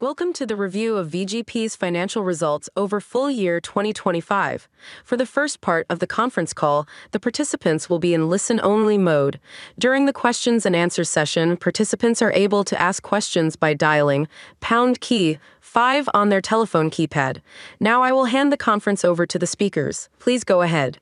Welcome to the review of VGP's financial results over full year 2025. For the first part of the conference call, the participants will be in listen-only mode. During the questions and answer session, participants are able to ask questions by dialing pound key five on their telephone keypad. Now, I will hand the conference over to the speakers. Please go ahead.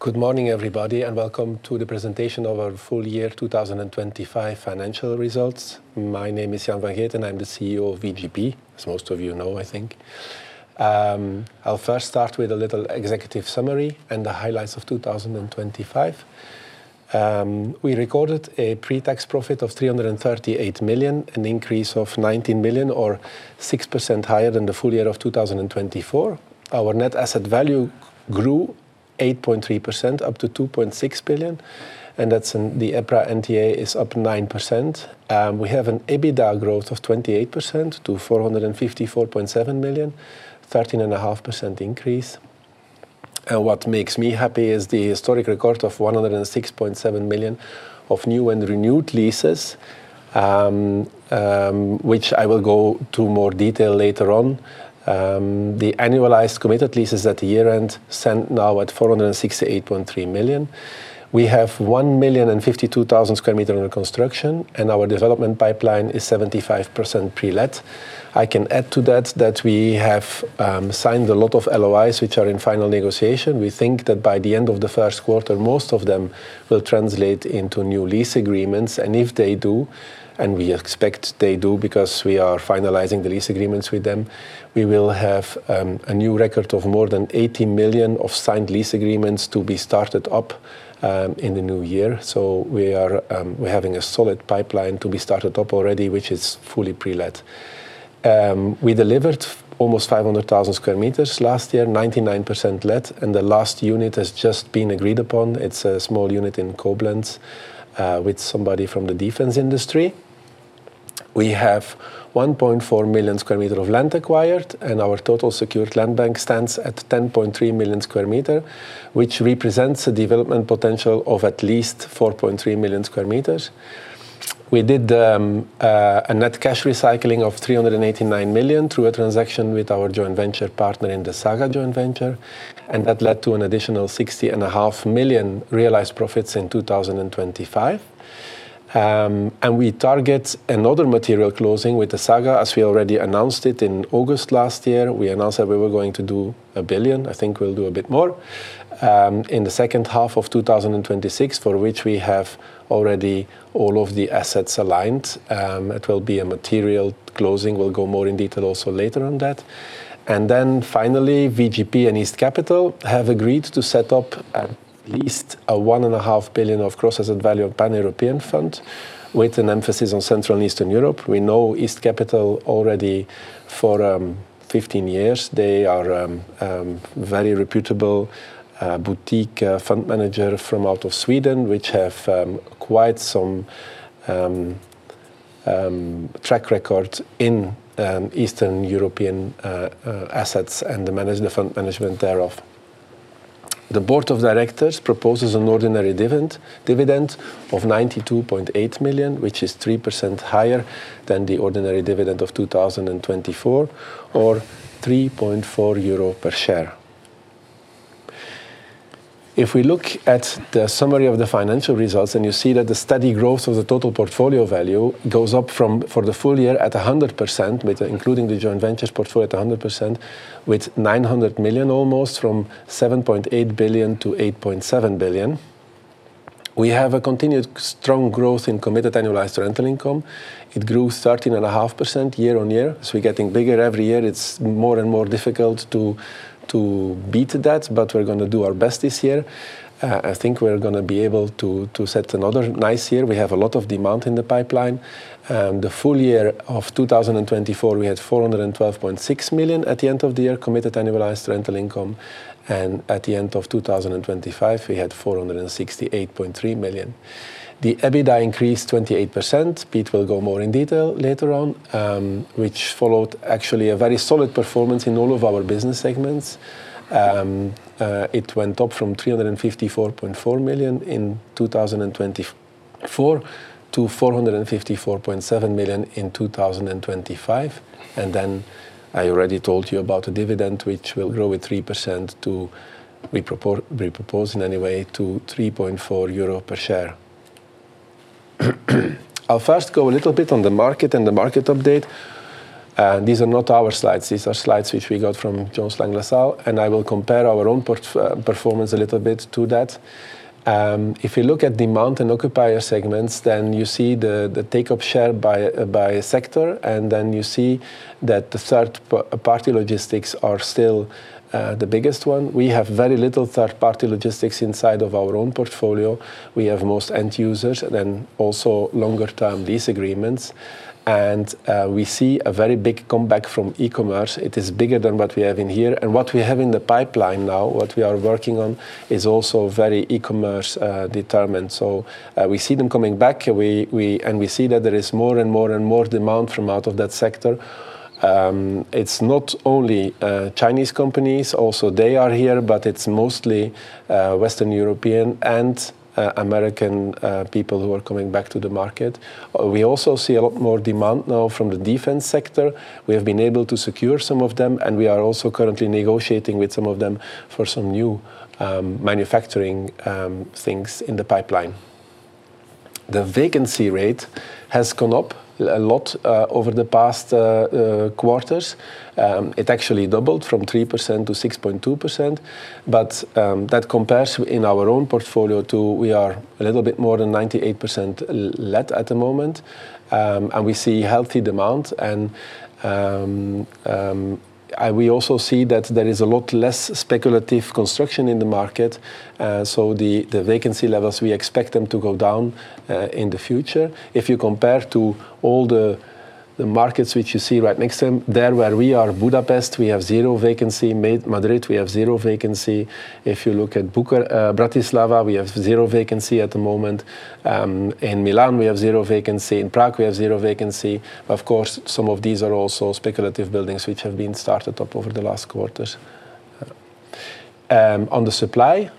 Good morning, everybody, and welcome to the presentation of our full year 2025 financial results. My name is Jan Van Geet, and I'm the CEO of VGP, as most of you know, I think. I'll first start with a little executive summary and the highlights of 2025. We recorded a pre-tax profit of 338 million, an increase of 19 million or 6% higher than the full year of 2024. Our net asset value grew 8.3%, up to 2.6 billion, and that's in the EPRA NTA is up 9%. We have an EBITDA growth of 28% to 454.7 million, 13.5% increase. What makes me happy is the historic record of 106.7 million of new and renewed leases, which I will go to more detail later on. The annualized committed leases at year-end stand now at 468.3 million. We have 1,052,000 square meters under construction, and our development pipeline is 75% pre-let. I can add to that, that we have signed a lot of LOIs, which are in final negotiation. We think that by the end of the first quarter, most of them will translate into new lease agreements, and if they do, and we expect they do, because we are finalizing the lease agreements with them, we will have a new record of more than 80 million of signed lease agreements to be started up in the new year. So we are, We're having a solid pipeline to be started up already, which is fully pre-let. We delivered almost 500,000 square meters last year, 99% let, and the last unit has just been agreed upon. It's a small unit in Koblenz, with somebody from the defense industry. We have 1.4 million square meters of land acquired, and our total secured landbank stands at 10.3 million square meters, which represents a development potential of at least 4.3 million square meters. We did a net cash recycling of 389 million through a transaction with our joint venture partner in the Saga Joint Venture, and that led to an additional 60.5 million realized profits in 2025. And we target another material closing with the Saga, as we already announced it in August last year. We announced that we were going to do 1 billion. I think we'll do a bit more, in the second half of 2026, for which we have already all of the assets aligned. It will be a material closing. We'll go more in detail also later on that. And then finally, VGP and East Capital have agreed to set up at least 1.5 billion of gross asset value of Pan-European Fund, with an emphasis on Central and Eastern Europe. We know East Capital already for 15 years. They are very reputable boutique fund manager from out of Sweden, which have quite some track record in Eastern European assets and the management, the fund management thereof. The board of directors proposes an ordinary dividend of 92.8 million, which is 3% higher than the ordinary dividend of 2024 or 3.4 euro per share. If we look at the summary of the financial results, and you see that the steady growth of the total portfolio value goes up from, for the full year at 100%, with including the joint ventures portfolio at 100%, with almost 900 million, from 7.8 billion to 8.7 billion. We have a continued strong growth in committed annualized rental income. It grew 13.5% year-on-year, so we're getting bigger every year. It's more and more difficult to beat that, but we're gonna do our best this year. I think we're gonna be able to set another nice year. We have a lot of demand in the pipeline. The full year of 2024, we had 412.6 million at the end of the year, committed annualized rental income, and at the end of 2025, we had 468.3 million. The EBITDA increased 28%. Piet will go more in detail later on, which followed actually a very solid performance in all of our business segments. It went up from 354.4 million in 2024 to 454.7 million in 2025. Then I already told you about the dividend, which will grow at 3% to we propose, in any way, to 3.4 euro per share. I'll first go a little bit on the market and the market update. These are not our slides. These are slides which we got from Jones Lang LaSalle, and I will compare our own performance a little bit to that. If you look at demand and occupier segments, then you see the take-up share by sector, and then you see that the third-party logistics are still the biggest one. We have very little third-party logistics inside of our own portfolio. We have most end users and then also longer-term lease agreements, and we see a very big comeback from e-commerce. It is bigger than what we have in here. What we have in the pipeline now, what we are working on, is also very e-commerce determined. So, we see them coming back, and we see that there is more and more and more demand from out of that sector. It's not only Chinese companies, also they are here, but it's mostly Western European and American people who are coming back to the market. We also see a lot more demand now from the defense sector. We have been able to secure some of them, and we are also currently negotiating with some of them for some new manufacturing things in the pipeline. The vacancy rate has gone up a lot over the past quarters. It actually doubled from 3% to 6.2%, but that compares in our own portfolio to we are a little bit more than 98% let at the moment. We see healthy demand, and we also see that there is a lot less speculative construction in the market. So the vacancy levels, we expect them to go down in the future. If you compare to all the markets which you see right next to them, there where we are, Budapest, we have zero vacancy. Madrid, we havezero vacancy. If you look at Bratislava, we havezero vacancy at the moment. In Milan, we havezero vacancy. In Prague, we havezero vacancy. Of course, some of these are also speculative buildings which have been started up over the last quarters. On the supply,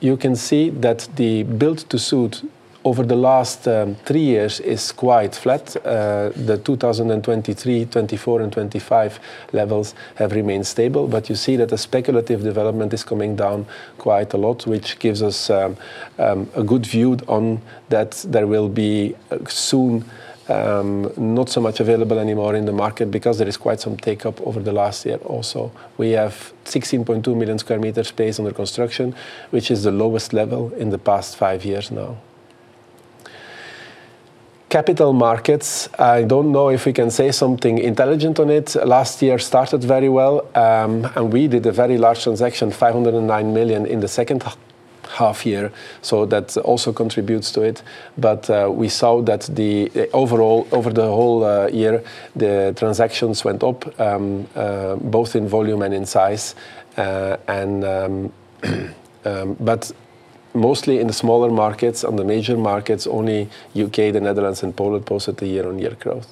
you can see that the build to suit over the last three years is quite flat. The 2023, 2024, and 2025 levels have remained stable, but you see that the speculative development is coming down quite a lot, which gives us a good view on that there will be soon not so much available anymore in the market because there is quite some take-up over the last year also. We have 16.2 million square meters under construction, which is the lowest level in the past five years now. Capital markets, I don't know if we can say something intelligent on it. Last year started very well, and we did a very large transaction, 509 million, in the second half year, so that also contributes to it. But we saw that the overall over the whole year, the transactions went up both in volume and in size, and but mostly in the smaller markets. On the major markets, only U.K., the Netherlands, and Poland posted a year-on-year growth.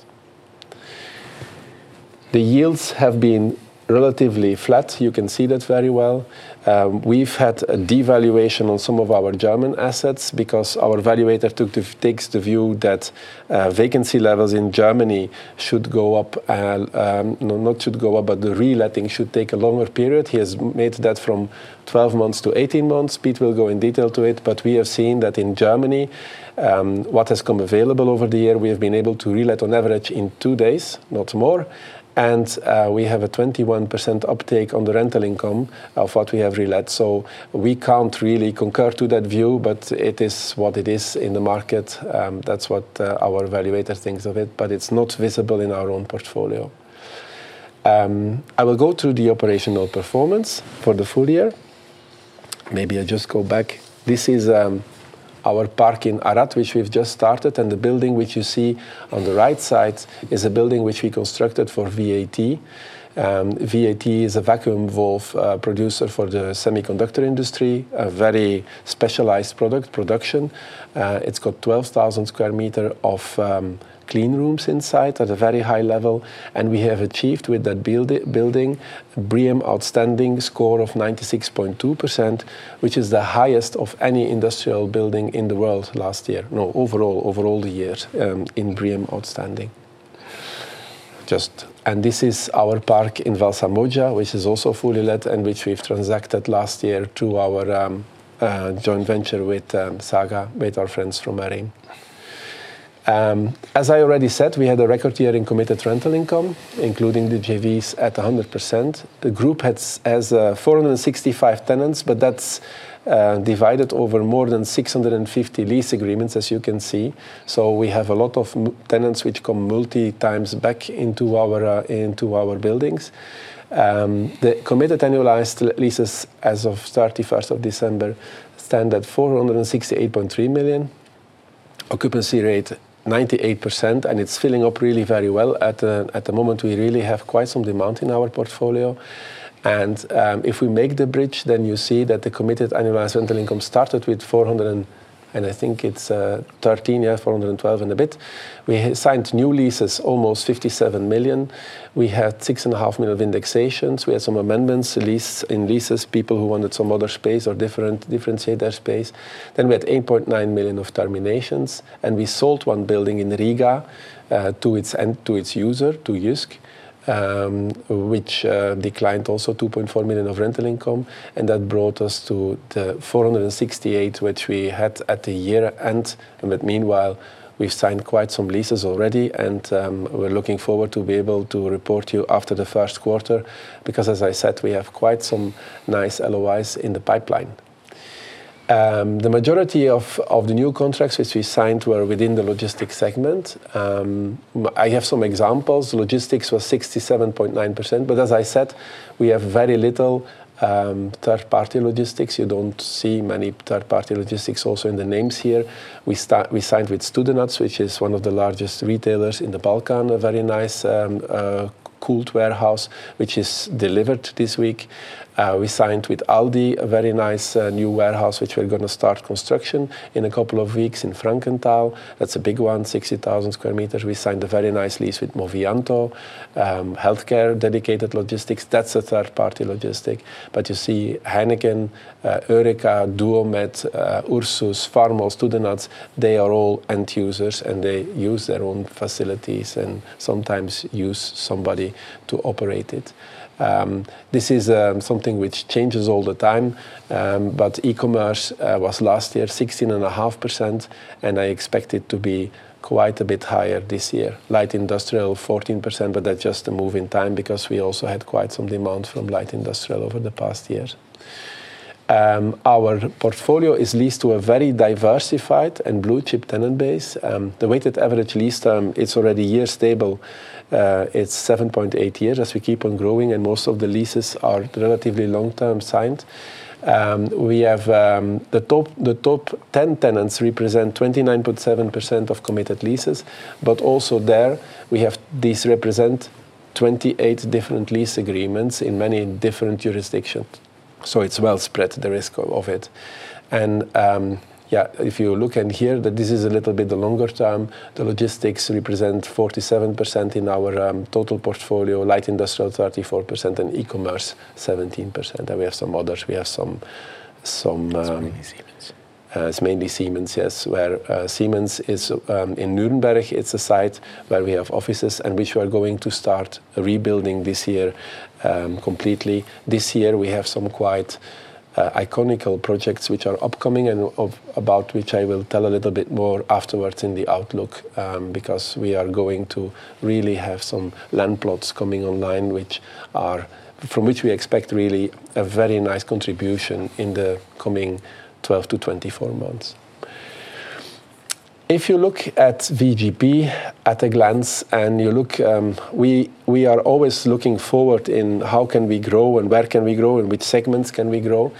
The yields have been relatively flat. You can see that very well. We've had a devaluation on some of our German assets because our valuator takes the view that vacancy levels in Germany should go up, no, not should go up, but the reletting should take a longer period. He has made that from 12 months to 18 months. Piet will go in detail to it, but we have seen that in Germany, what has come available over the year, we have been able to relet on average in two days, not more, and we have a 21% uptake on the rental income of what we have relet. So we can't really concur to that view, but it is what it is in the market. That's what our valuator thinks of it, but it's not visible in our own portfolio. I will go through the operational performance for the full year. Maybe I just go back. This is our park in Arad, which we've just started, and the building which you see on the right side is a building which we constructed for VAT. VAT is a vacuum valve producer for the semiconductor industry, a very specialized product production. It's got 12,000 square meters of clean rooms inside at a very high level, and we have achieved with that building, BREEAM Outstanding score of 96.2%, which is the highest of any industrial building in the world last year. No, overall, over all the years, in BREEAM Outstanding. Just. And this is our park in Valsamoggia, which is also fully let, and which we've transacted last year to our joint venture with Saga, with our friends from Areim. As I already said, we had a record year in committed rental income, including the JVs at 100%. The group has 465 tenants, but that's divided over more than 650 lease agreements, as you can see. So we have a lot of tenants which come multiple times back into our into our buildings. The committed annualized leases as of 31st of December stand at 468.3 million. Occupancy rate 98%, and it's filling up really very well. At the moment, we really have quite some demand in our portfolio, and if we make the bridge, then you see that the committed annualized rental income started with 412 and a bit. We signed new leases, almost 57 million. We had 6.5 million of indexations. We had some amendments, lease, in leases, people who wanted some other space or different, different header space. Then we had 8.9 million of terminations, and we sold one building in Riga to its end, to its user, to Jysk, which declined also 2.4 million of rental income, and that brought us to the 468, which we had at the year-end. But meanwhile, we've signed quite some leases already, and we're looking forward to be able to report to you after the first quarter, because, as I said, we have quite some nice LOIs in the pipeline. The majority of the new contracts which we signed were within the logistics segment. I have some examples. Logistics was 67.9%, but as I said, we have very little third-party logistics. You don't see many third-party logistics also in the names here. We signed with Studenac, which is one of the largest retailers in the Balkans, a very nice cooled warehouse, which is delivered this week. We signed with Aldi, a very nice new warehouse, which we're going to start construction in a couple of weeks in Frankenthal. That's a big one, 60,000 square meters. We signed a very nice lease with Movianto, healthcare dedicated logistics. That's a third-party logistic. But you see Heineken, Eureka, Duomed, Ursus, Pharmos, Studenac, they are all end users, and they use their own facilities and sometimes use somebody to operate it. This is something which changes all the time. But e-commerce was last year 16.5%, and I expect it to be quite a bit higher this year. Light industrial, 14%, but that's just a move in time because we also had quite some demand from light industrial over the past years. Our portfolio is leased to a very diversified and blue-chip tenant base. The weighted average lease term, it's already year stable. It's 7.8 years as we keep on growing, and most of the leases are relatively long-term signed. We have the top ten tenants represent 29.7% of committed leases, but also there, we have these represent 28 different lease agreements in many different jurisdictions, so it's well spread, the risk of it. And if you look in here, that this is a little bit the longer term, the logistics represent 47% in our total portfolio, light industrial, 34%, and e-commerce, 17%. And we have some others. We have some. It's mainly Siemens. It's mainly Siemens, yes, where Siemens is in Nürnberg. It's a site where we have offices and which we are going to start rebuilding this year, completely. This year, we have some quite iconic projects which are upcoming and of about which I will tell a little bit more afterwards in the outlook, because we are going to really have some land plots coming online, which are from which we expect really a very nice contribution in the coming 12 months-24 months. If you look at VGP at a glance, and you look, we are always looking forward in how can we grow and where can we grow and which segments can we grow?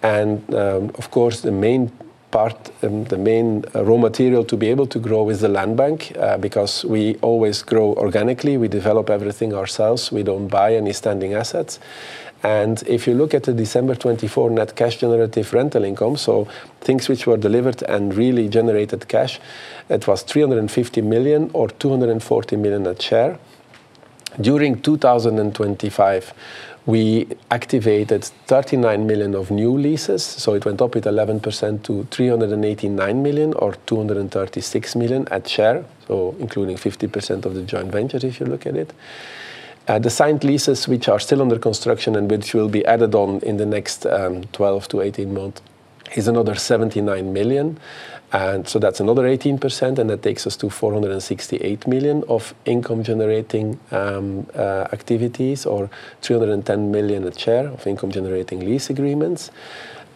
And, of course, the main part and the main raw material to be able to grow is the land bank, because we always grow organically. We develop everything ourselves. We don't buy any standing assets. If you look at the December 2024 net cash generative rental income, so things which were delivered and really generated cash, it was 350 million or 240 million per share. During 2025, we activated 39 million of new leases, so it went up 11% to 389 million or 236 million per share, so including 50% of the joint ventures, if you look at it. The signed leases, which are still under construction and which will be added on in the next 12-18 months, is another 79 million, and so that's another 18%, and that takes us to 468 million of income-generating activities, or 310 million per share of income-generating lease agreements,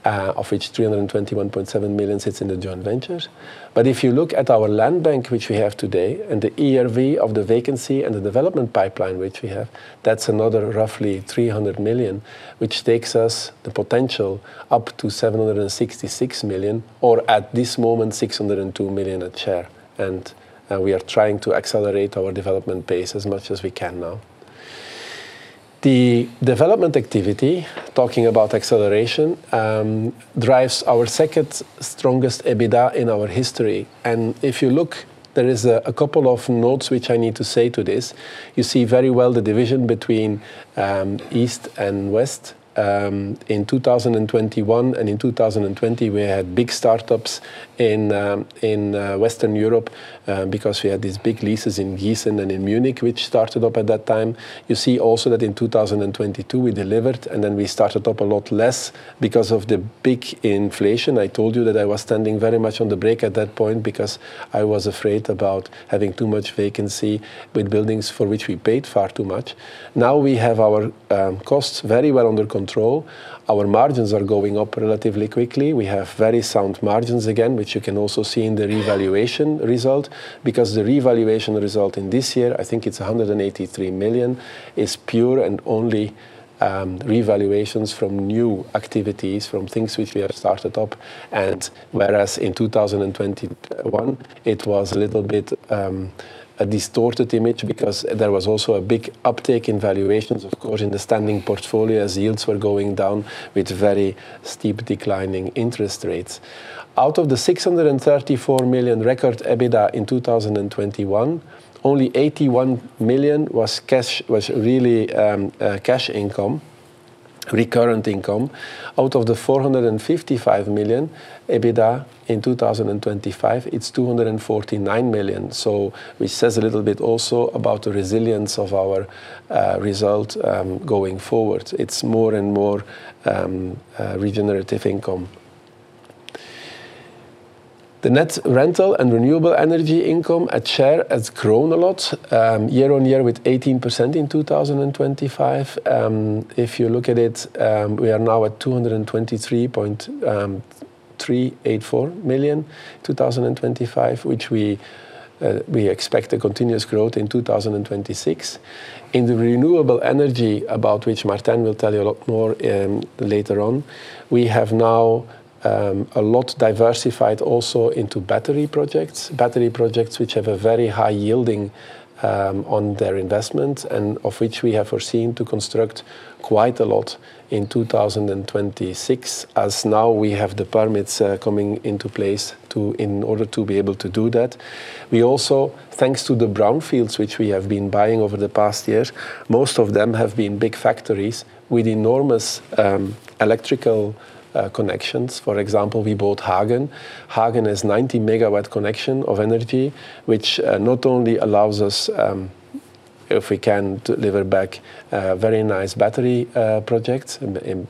of which 321.7 million sits in the joint ventures. But if you look at our land bank, which we have today, and the ERV of the vacancy and the development pipeline, which we have, that's another roughly 300 million, which takes us the potential up to 766 million, or at this moment, 602 million per share, and we are trying to accelerate our development pace as much as we can now. The development activity, talking about acceleration, drives our second strongest EBITDA in our history. And if you look, there is a couple of notes which I need to say to this. You see very well the division between East and West. In 2021 and in 2020, we had big startups in Western Europe because we had these big leases in Giessen and in Munich, which started up at that time. You see also that in 2022, we delivered, and then we started up a lot less because of the big inflation. I told you that I was standing very much on the brake at that point because I was afraid about having too much vacancy with buildings for which we paid far too much. Now we have our costs very well under control. Our margins are going up relatively quickly. We have very sound margins again, which you can also see in the revaluation result, because the revaluation result in this year, I think it's 183 million, is pure and only revaluations from new activities, from things which we have started up, and whereas in 2021, it was a little bit a distorted image because there was also a big uptick in valuations, of course, in the standing portfolio as yields were going down with very steep declining interest rates. Out of the 634 million record EBITDA in 2021, only 81 million was cash- was really cash income, recurrent income. Out of the 455 million EBITDA in 2025, it's 249 million, so which says a little bit also about the resilience of our result going forward. It's more and more regenerative income. The net rental renewable energy income at share has grown a lot year-on-year with 18% in 2025. If you look at it, we are now at 223.384 million in 2025, which we expect a continuous growth in 2026. In renewable energy, about which Martijn will tell you a lot more later on, we have now a lot diversified also into battery projects. Battery projects which have a very high yielding on their investment, and of which we have foreseen to construct quite a lot in 2026, as now we have the permits coming into place to, in order to be able to do that. We also, thanks to the brownfields, which we have been buying over the past years, most of them have been big factories with enormous electrical connections. For example, we bought Hagen. Hagen has 90-megawatt connection of energy, which not only allows us, if we can, to deliver back very nice battery projects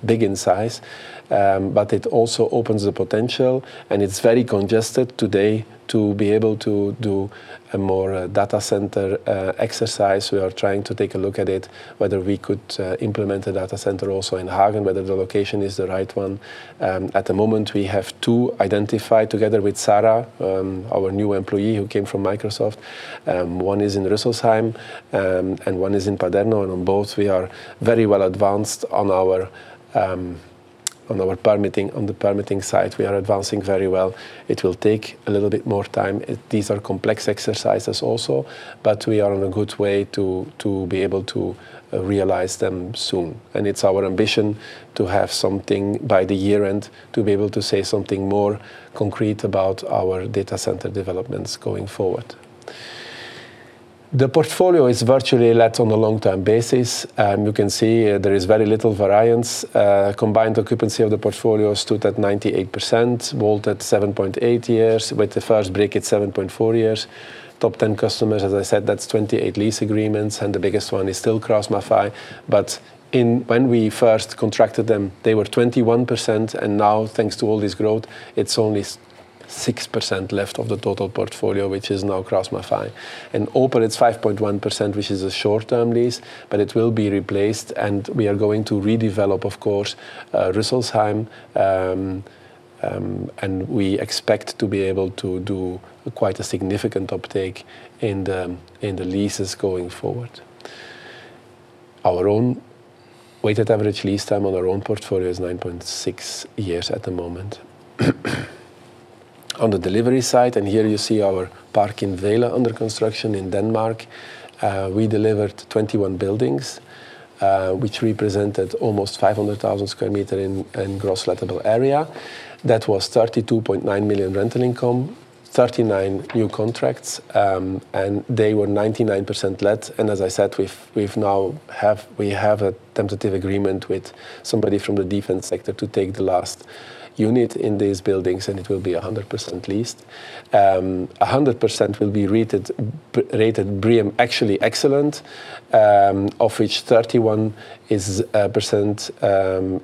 big in size, but it also opens the potential, and it's very congested today to be able to do a more data center exercise. We are trying to take a look at it, whether we could implement a data center also in Hagen, whether the location is the right one. At the moment, we have two identified together with Sarah, our new employee, who came from Microsoft. One is in Rüsselsheim, and one is in Paderno, and on both, we are very well advanced on our permitting. On the permitting side, we are advancing very well. It will take a little bit more time. These are complex exercises also, but we are on a good way to be able to realize them soon. It's our ambition to have something by the year-end, to be able to say something more concrete about our data center developments going forward. The portfolio is virtually let on a long-term basis. You can see there is very little variance. Combined occupancy of the portfolio stood at 98%, WALT at 7.8 years, with the first break at 7.4 years. Top ten customers, as I said, that's 28 lease agreements, and the biggest one is still KraussMaffei. But when we first contracted them, they were 21%, and now, thanks to all this growth, it's only 6% left of the total portfolio, which is now KraussMaffei. In Opel, it's 5.1%, which is a short-term lease, but it will be replaced, and we are going to redevelop, of course, Rüsselsheim. And we expect to be able to do quite a significant uptake in the, in the leases going forward. Our own weighted average lease term on our own portfolio is 9.6 years at the moment. On the delivery side, and here you see our park in Vejle, under construction in Denmark, we delivered 21 buildings, which represented almost 500,000 square meter in gross lettable area. That was 32.9 million rental income, 39 new contracts, and they were 99% let, and as I said, we now have we have a tentative agreement with somebody from the defense sector to take the last unit in these buildings, and it will be 100% leased. A hundred percent will be rated BREEAM, actually Excellent, of which 31%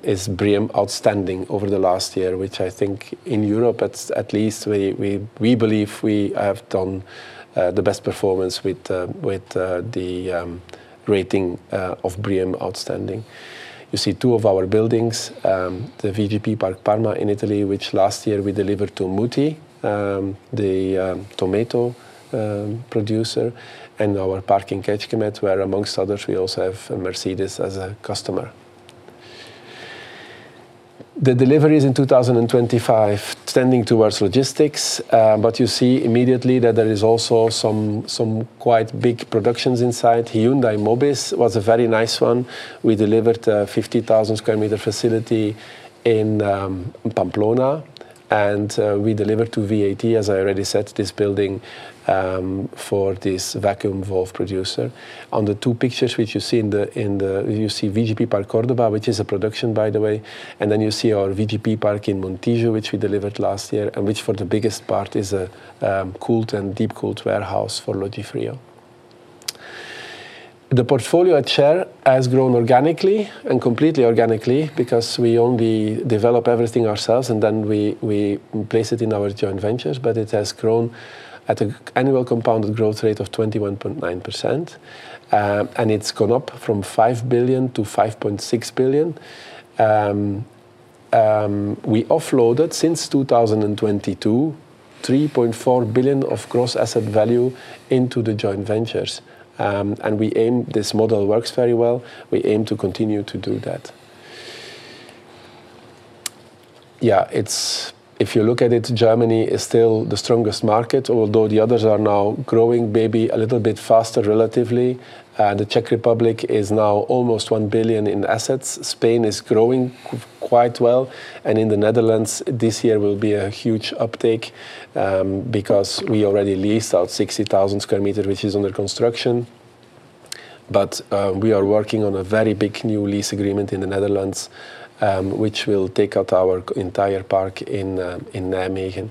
is BREEAM Outstanding over the last year, which I think in Europe, at least, we believe we have done the best performance with the rating of BREEAM Outstanding. You see two of our buildings, the VGP Park Parma in Italy, which last year we delivered to Mutti, the tomato producer, and our park in Kecskemét, where, amongst others, we also have Mercedes as a customer. The deliveries in 2025, tending towards logistics, but you see immediately that there is also some, some quite big productions inside. Hyundai Mobis was a very nice one. We delivered a 50,000 square meter facility in Pamplona, and we delivered to VAT, as I already said, this building for this vacuum valve producer. On the two pictures which you see in the. You see VGP Park Córdoba, which is a production, by the way, and then you see our VGP Park Montijo, which we delivered last year, and which, for the biggest part, is a cooled and deep cooled warehouse for Logifrio. The portfolio at share has grown organically and completely organically because we only develop everything ourselves, and then we place it in our joint ventures, but it has grown at an annual compounded growth rate of 21.9%. And it's gone up from 5 billion to 5.6 billion. We offloaded, since 2022, 3.4 billion of gross asset value into the joint ventures. And we aim. This model works very well. We aim to continue to do that. Yeah, it's. If you look at it, Germany is still the strongest market, although the others are now growing maybe a little bit faster, relatively. The Czech Republic is now almost 1 billion in assets. Spain is growing quite well, and in the Netherlands, this year will be a huge uptake, because we already leased out 60,000 square meters, which is under construction, but we are working on a very big new lease agreement in the Netherlands, which will take out our entire park in Nijmegen.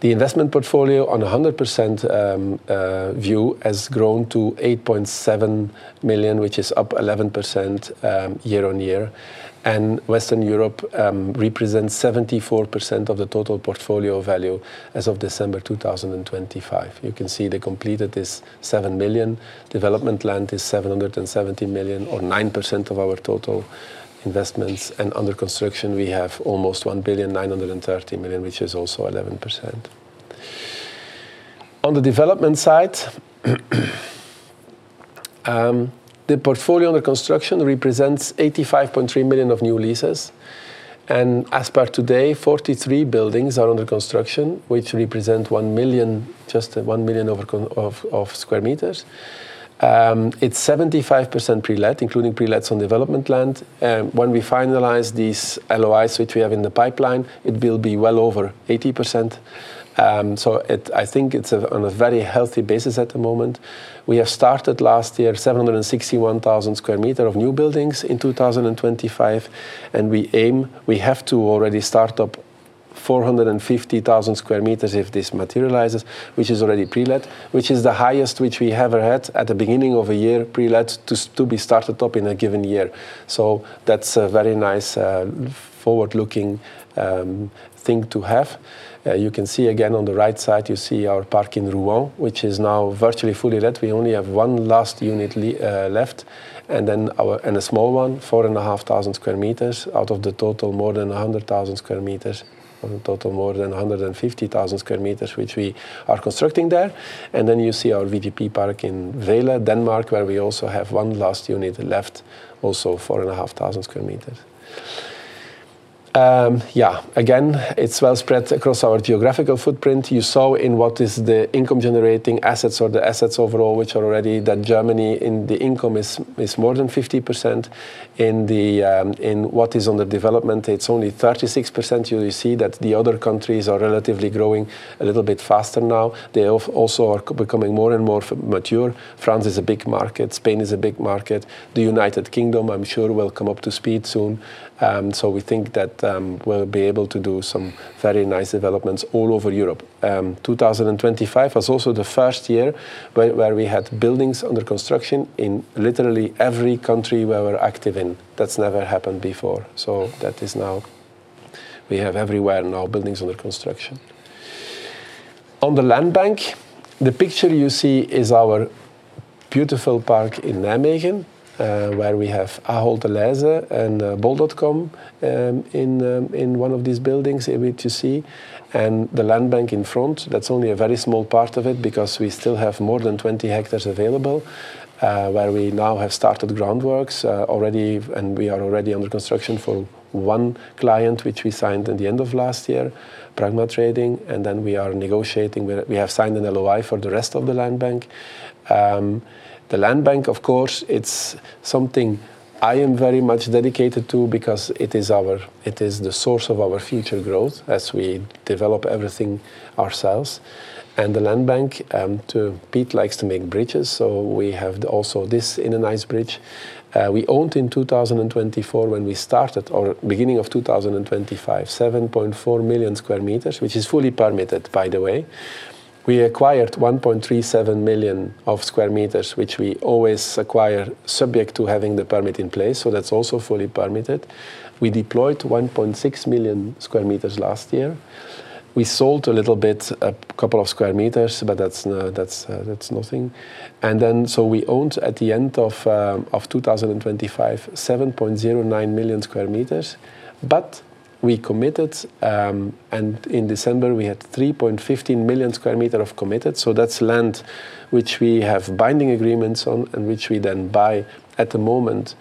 The investment portfolio on a 100% view has grown to 8.7 million, which is up 11%, year-on-year. Western Europe represents 74% of the total portfolio value as of December 2025. You can see the completed is 7 million. Development land is 770 million, or 9% of our total investments, and under construction, we have almost 1.93 billion, which is also 11%. On the development side, the portfolio under construction represents 85.3 million of new leases, and as per today, 43 buildings are under construction, which represent 1 million, just 1 million square meters. It's 75% pre-let, including pre-lets on development land. When we finalize these LOIs, which we have in the pipeline, it will be well over 80%. So it. I think it's on a very healthy basis at the moment. We have started last year, 761,000 square meters of new buildings in 2025, and we aim, we have to already start up 450,000 square meters if this materializes, which is already pre-let, which is the highest which we ever had at the beginning of a year, pre-lets to be started up in a given year. So that's a very nice, forward-looking, thing to have. You can see again on the right side, you see our park in Rouen, which is now virtually fully let. We only have one last unit left, and a small one, 4,500 square meters, out of the total more than 100,000 square meters, or the total more than 150,000 square meters, which we are constructing there. Then you see our VGP Park in Vejle, Denmark, where we also have one last unit left, also 4,500 square meters. Yeah, again, it's well spread across our geographical footprint. You saw in what is the income generating assets or the assets overall, which are already that Germany in the income is more than 50%. In what is under development, it's only 36%. You see that the other countries are relatively growing a little bit faster now. They also are becoming more and more mature. France is a big market. Spain is a big market. The United Kingdom, I'm sure, will come up to speed soon. So we think that we'll be able to do some very nice developments all over Europe. 2025 was also the first year where we had buildings under construction in literally every country we were active in. That's never happened before, so that is now. We have everywhere now, buildings under construction. On the land bank, the picture you see is our beautiful park in Nijmegen, where we have Ahold Delhaize and, Bol.com, in, in one of these buildings which you see, and the land bank in front, that's only a very small part of it because we still have more than 20 hectares available, where we now have started groundworks, already, and we are already under construction for one client, which we signed at the end of last year, Pragma Trading, and then we are negotiating with. We have signed an LOI for the rest of the land bank. The land bank, of course, it's something I am very much dedicated to because it is our, it is the source of our future growth as we develop everything ourselves. And the land bank, Piet likes to make bridges, so we have also this in a nice bridge. We owned in 2024, when we started or beginning of 2025, 7.4 million square meters, which is fully permitted, by the way. We acquired 1.37 million square meters, which we always acquire, subject to having the permit in place, so that's also fully permitted. We deployed 1.6 million square meters last year. We sold a little bit, a couple of square meters, but that's, that's, that's nothing. So we owned, at the end of 2025, 7.09 million square meters, but we committed, and in December, we had 3.15 million square meters of committed. So that's land which we have binding agreements on and which we then buy at the moment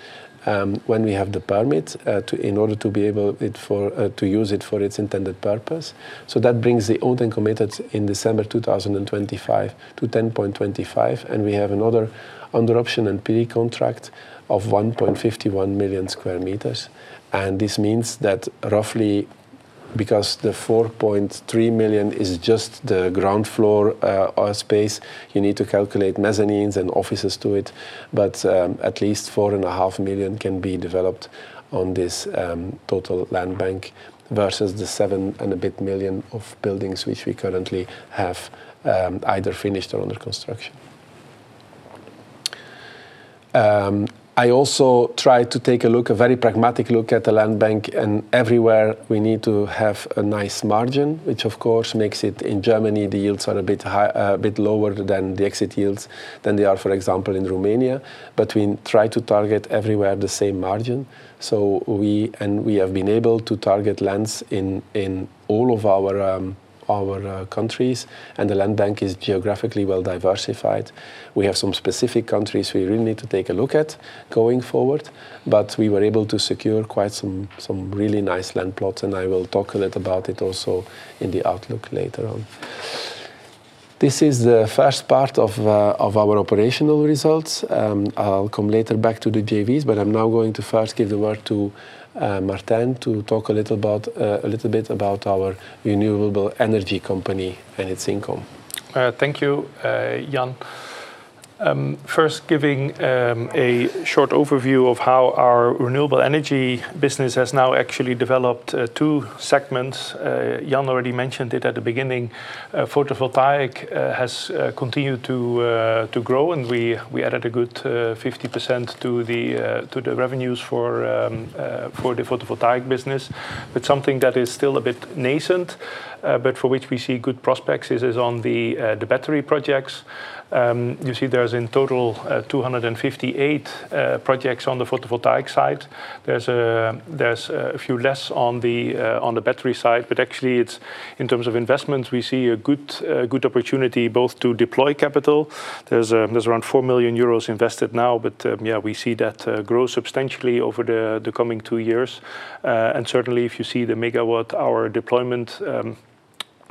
when we have the permit, in order to be able to use it for its intended purpose. So that brings the owned and committed in December 2025 to 10.25, and we have another under option and pre-contract of 1.51 million square meters. And this means that roughly, because the 4.3 million is just the ground floor, or space, you need to calculate mezzanines and offices to it, but, at least 4.5 million can be developed on this, total land bank, versus the seven and a bit million of buildings which we currently have, either finished or under construction. I also tried to take a look, a very pragmatic look, at the land bank, and everywhere, we need to have a nice margin, which of course, makes it. In Germany, the yields are a bit high, a bit lower than the exit yields than they are, for example, in Romania, but we try to target everywhere the same margin. So and we have been able to target lands in, in all of our, our, countries, and the land bank is geographically well diversified. We have some specific countries we really need to take a look at going forward, but we were able to secure quite some, some really nice land plots, and I will talk a little about it also in the outlook later on. This is the first part of, of our operational results. I'll come later back to the JVs, but I'm now going to first give the word to, Martijn, to talk a little about, a little bit about renewable energy company and its income. Thank you, Jan. First giving a short overview of how renewable energy business has now actually developed two segments. Jan already mentioned it at the beginning. Photovoltaic has continued to grow, and we added a good 50% to the revenues for the photovoltaic business. But something that is still a bit nascent, but for which we see good prospects is on the battery projects. You see there is in total 258 projects on the photovoltaic side. There's a few less on the battery side, but actually it's in terms of investments, we see a good opportunity both to deploy capital. There's around 4 million euros invested now, but yeah, we see that grow substantially over the coming two years. And certainly, if you see the megawatt-hour deployment,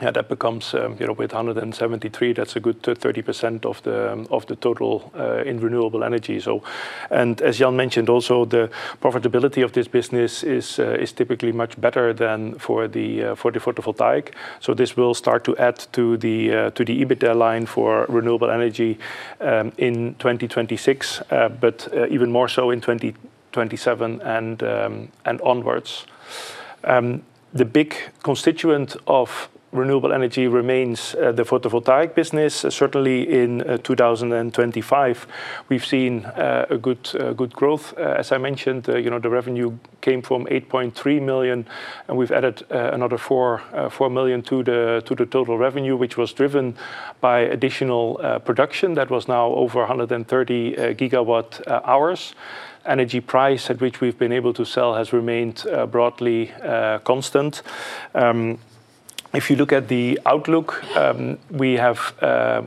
yeah, that becomes, you know, with 173, that's a good 30% of the total renewable energy, so. And as Jan mentioned also, the profitability of this business is typically much better than for the photovoltaic. So this will start to add to the EBITDA line renewable energy in 2026, but even more so in 2027 and onwards. The big constituent renewable energy remains the photovoltaic business. Certainly in 2025, we've seen a good growth. As I mentioned, you know, the revenue came from 8.3 million, and we've added another 4 million to the total revenue, which was driven by additional production that was now over 130 GWh. Energy price at which we've been able to sell has remained broadly constant. If you look at the outlook, we have.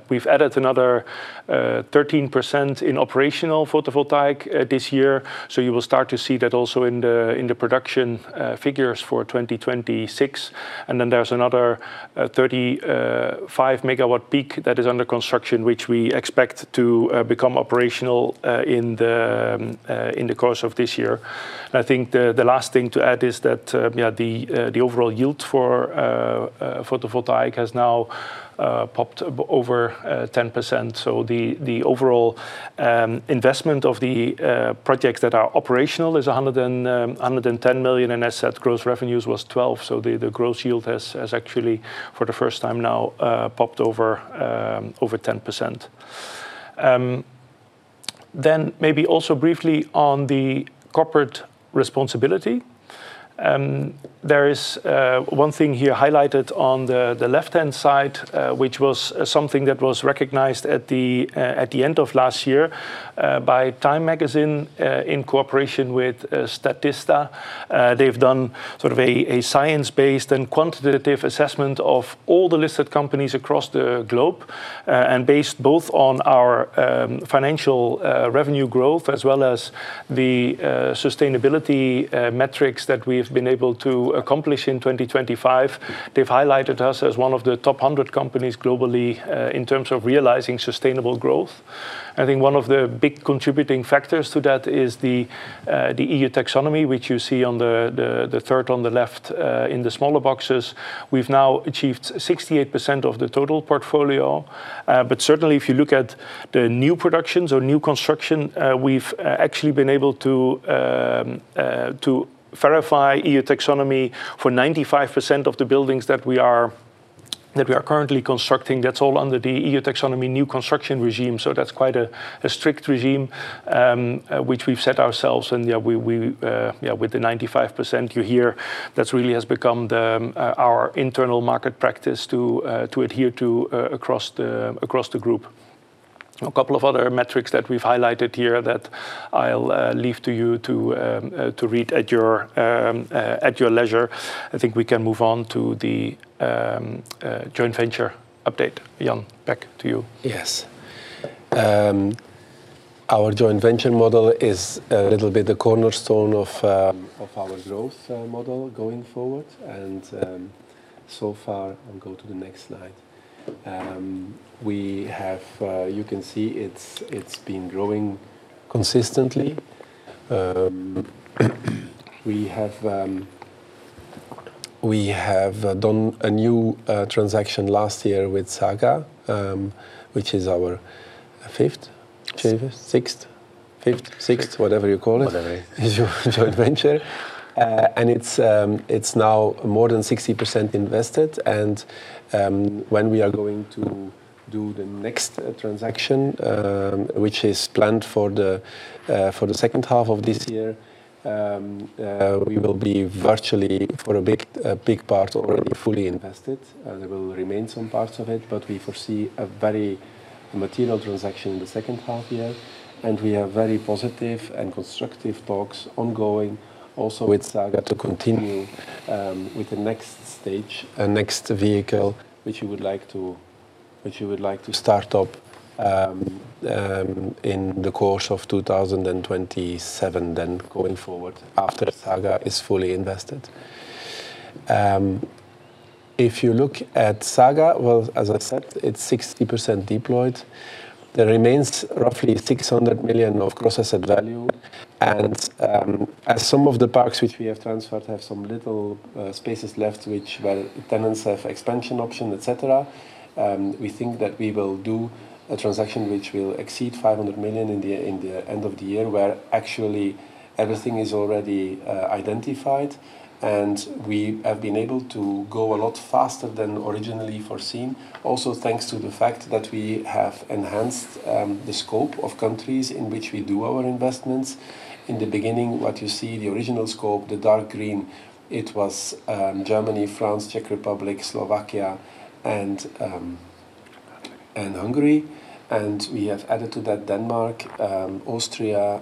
We've added another 13% in operational photovoltaic this year, so you will start to see that also in the production figures for 2026. And then there's another 35 MWp that is under construction, which we expect to become operational in the course of this year. I think the last thing to add is that, yeah, the overall yield for photovoltaic has now popped over 10%. So the overall investment of the projects that are operational is 110 million, and asset gross revenues was 12 million, so the gross yield has actually, for the first time now, popped over 10%. Then maybe also briefly on the corporate responsibility. There is one thing here highlighted on the left-hand side, which was something that was recognized at the end of last year, by Time Magazine, in cooperation with Statista. They've done sort of a science-based and quantitative assessment of all the listed companies across the globe. And based both on our financial revenue growth, as well as the sustainability metrics that we've been able to accomplish in 2025, they've highlighted us as one of the top 100 companies globally in terms of realizing sustainable growth. I think one of the big contributing factors to that is the EU Taxonomy, which you see on the third on the left in the smaller boxes. We've now achieved 68% of the total portfolio. But certainly, if you look at the new productions or new construction, we've actually been able to verify EU Taxonomy for 95% of the buildings that we are currently constructing. That's all under the EU Taxonomy new construction regime, so that's quite a strict regime which we've set ourselves. Yeah, we yeah, with the 95% you hear, that really has become the our internal market practice to adhere to across the group. A couple of other metrics that we've highlighted here that I'll leave to you to read at your leisure. I think we can move on to the joint venture update. Jan, back to you. Yes. Our joint venture model is a little bit the cornerstone of our growth model going forward, and so far. Go to the next slide. We have, you can see it's been growing consistently. We have done a new transaction last year with Saga, which is our fifth? Sixth. Sixth, fifth, sixth, whatever you call it- Whatever joint venture. And it's, it's now more than 60% invested, and, when we are going to do the next, transaction, which is planned for the, for the second half of this year, we will be virtually, for a big, a big part, already fully invested. There will remain some parts of it, but we foresee a very material transaction in the second half year, and we have very positive and constructive talks ongoing also with Saga to continue, with the next stage and next vehicle, which we would like to, which we would like to start up, in the course of 2027, then going forward after Saga is fully invested. If you look at Saga, well, as I said, it's 60% deployed. There remains roughly 600 million of gross asset value- and, as some of the parks which we have transferred have some little spaces left, which where tenants have expansion option, et cetera, we think that we will do a transaction which will exceed 500 million in the end of the year, where actually everything is already identified, and we have been able to go a lot faster than originally foreseen. Also, thanks to the fact that we have enhanced the scope of countries in which we do our investments. In the beginning, what you see, the original scope, the dark green, it was Germany, France, Czech Republic, Slovakia, and Hungary, and we have added to that Denmark, Austria,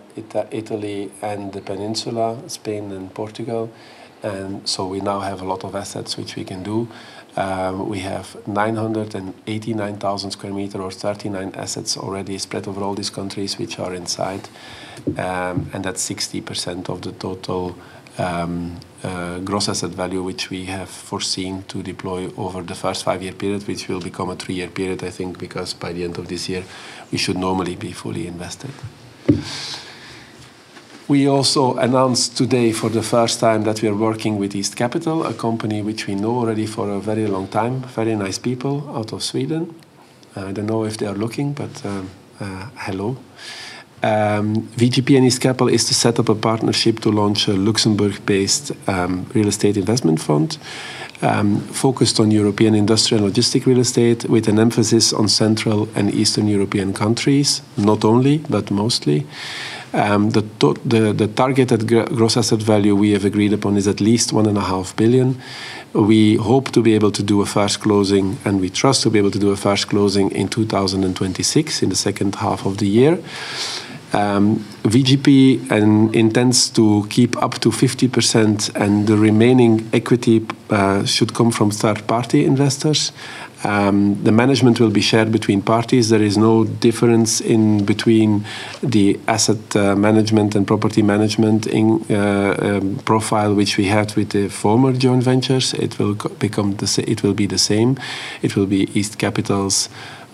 Italy, and the Peninsula, Spain and Portugal. And so we now have a lot of assets which we can do. We have 989,000 square meters or 39 assets already spread over all these countries which are inside, and that's 60% of the total gross asset value, which we have foreseen to deploy over the first five-year period, which will become a three-year period, I think, because by the end of this year, we should normally be fully invested. We also announced today, for the first time, that we are working with East Capital, a company which we know already for a very long time, very nice people out of Sweden. I don't know if they are looking, but, hello. VGP and East Capital is to set up a partnership to launch a Luxembourg-based real estate investment fund focused on European industrial and logistics real estate, with an emphasis on Central and Eastern European countries, not only, but mostly. The targeted gross asset value we have agreed upon is at least 1.5 billion. We hope to be able to do a first closing, and we trust to be able to do a first closing in 2026, in the second half of the year. VGP intends to keep up to 50%, and the remaining equity should come from third-party investors. The management will be shared between parties. There is no difference between the asset management and property management in profile, which we had with the former joint ventures. It will be the same. It will be East Capital's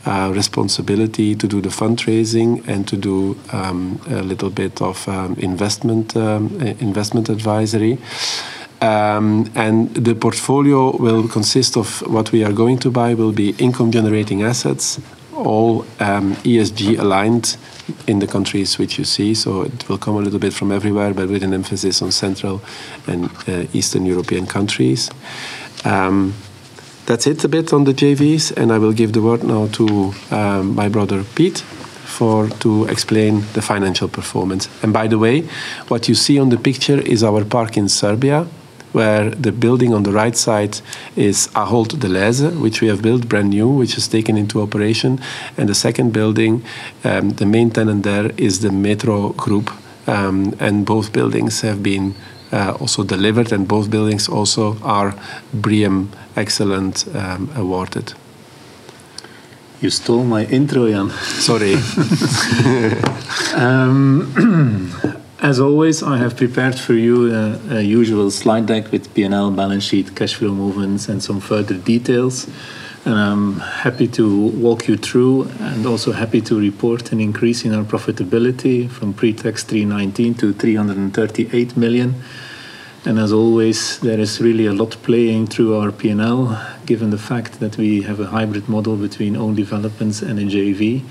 responsibility to do the fundraising and to do a little bit of investment advisory. And the portfolio will consist of what we are going to buy will be income-generating assets, all ESG-aligned in the countries which you see. So it will come a little bit from everywhere, but with an emphasis on Central and Eastern European countries. That's it, a bit on the JVs, and I will give the word now to my brother, Piet, for to explain the financial performance. By the way, what you see on the picture is our park in Serbia, where the building on the right side is Ahold Delhaize, which we have built brand new, which is taken into operation, and the second building, the main tenant there is the Metro Group. And both buildings have been also delivered, and both buildings also are BREEAM excellent, awarded. You stole my intro, Jan. Sorry. As always, I have prepared for you a usual slide deck with P&L, balance sheet, cash flow movements, and some further details. And I'm happy to walk you through and also happy to report an increase in our profitability from pre-tax 319 million to 338 million. And as always, there is really a lot playing through our P&L, given the fact that we have a hybrid model between own developments and a JV.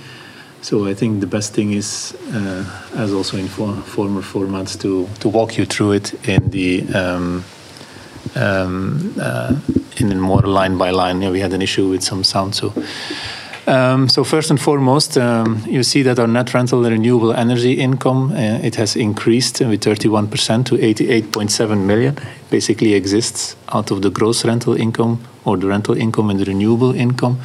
So I think the best thing is, as also in former formats, to walk you through it in a more line-by-line. Yeah, we had an issue with some sound so. So first and foremost, you see that our net rental renewable energy income, it has increased with 31% to 88.7 million. Basically exists out of the gross rental income or the rental income and the renewable income.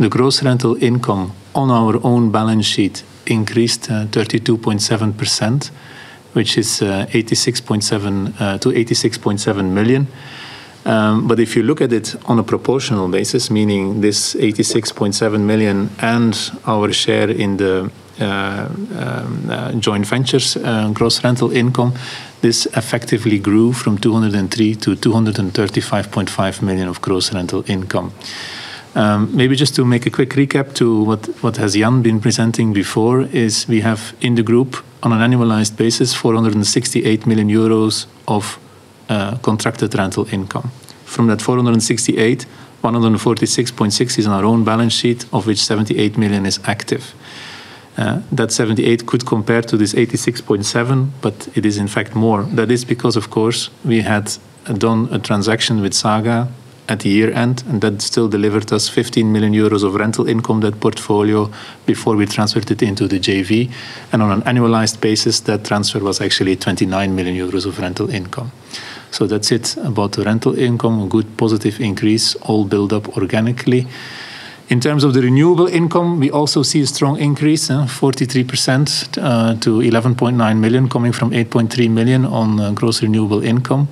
The gross rental income on our own balance sheet increased 32.7%, which is 86.7 to 86.7 million. But if you look at it on a proportional basis, meaning this 86.7 million and our share in the joint ventures gross rental income, this effectively grew from 203 million to 235.5 million of gross rental income. Maybe just to make a quick recap to what what has Jan been presenting before, is we have, in the group, on an annualized basis, 468 million euros of contracted rental income. From that 468, 146.6 is on our own balance sheet, of which 78 million is active. That 78 could compare to this 86.7, but it is in fact more. That is because, of course, we had done a transaction with Saga at the year-end, and that still delivered us 15 million euros of rental income, that portfolio, before we transferred it into the JV. And on an annualized basis, that transfer was actually 29 million euros of rental income. So that's it about the rental income, a good, positive increase, all built up organically. In terms of the renewable income, we also see a strong increase, 43%, to 11.9 million, coming from 8.3 million on, gross renewable income.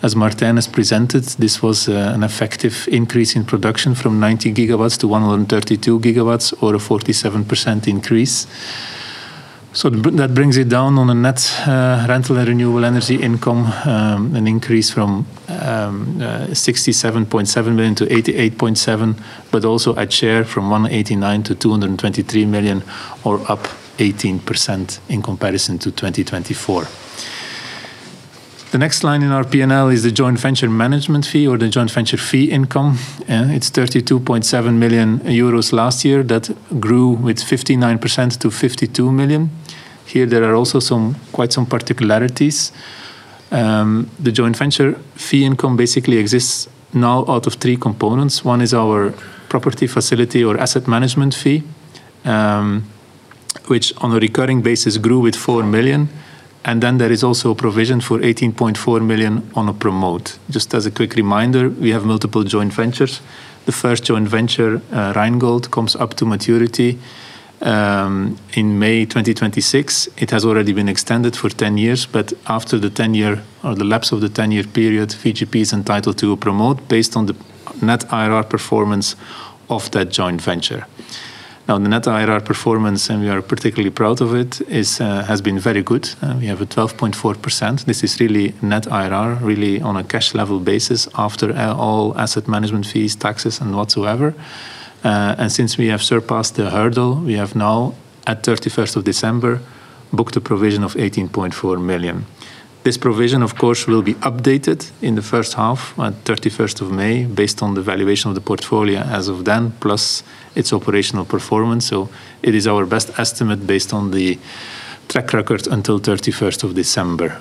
As Martijn has presented, this was an effective increase in production from 90 GW to 132 GW or a 47% increase. So that brings it down on a net rental renewable energy income, an increase from 67.7 million to 88.7 million, but also a share from 189 million to 223 million or up 18% in comparison to 2024. The next line in our P&L is the joint venture management fee or the joint venture fee income, and it's 32.7 million euros last year. That grew with 59% to 52 million. Here there are also some, quite some particularities. The joint venture fee income basically exists now out of three components. One is our property facility or asset management fee, which on a recurring basis grew with 4 million, and then there is also a provision for 18.4 million on a promote. Just as a quick reminder, we have multiple joint ventures. The first joint venture, Rheingold, comes up to maturity in May 2026. It has already been extended for 10 years, but after the 10-year or the lapse of the 10-year period, VGP is entitled to a promote based on the net IRR performance of that joint venture. Now, the net IRR performance, and we are particularly proud of it, is, has been very good, we have a 12.4%. This is really net IRR, really on a cash level basis, after all asset management fees, taxes and whatsoever. Since we have surpassed the hurdle, we have now, at 31st of December, booked a provision of 18.4 million. This provision, of course, will be updated in the first half, at 31st of May, based on the valuation of the portfolio as of then, plus its operational performance, so it is our best estimate based on the track record until 31st of December.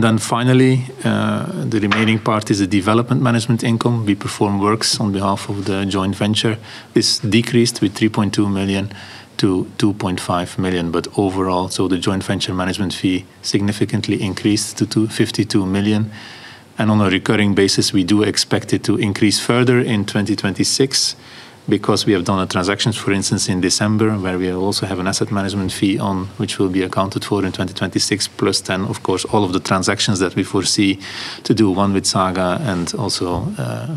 Then finally, the remaining part is the development management income. We perform works on behalf of the joint venture. This decreased with 3.2 million to 2.5 million, but overall, so the joint venture management fee significantly increased to 252 million, and on a recurring basis, we do expect it to increase further in 2026, because we have done our transactions, for instance, in December, where we also have an asset management fee on, which will be accounted for in 2026. Plus then, of course, all of the transactions that we foresee to do, one with Saga and also,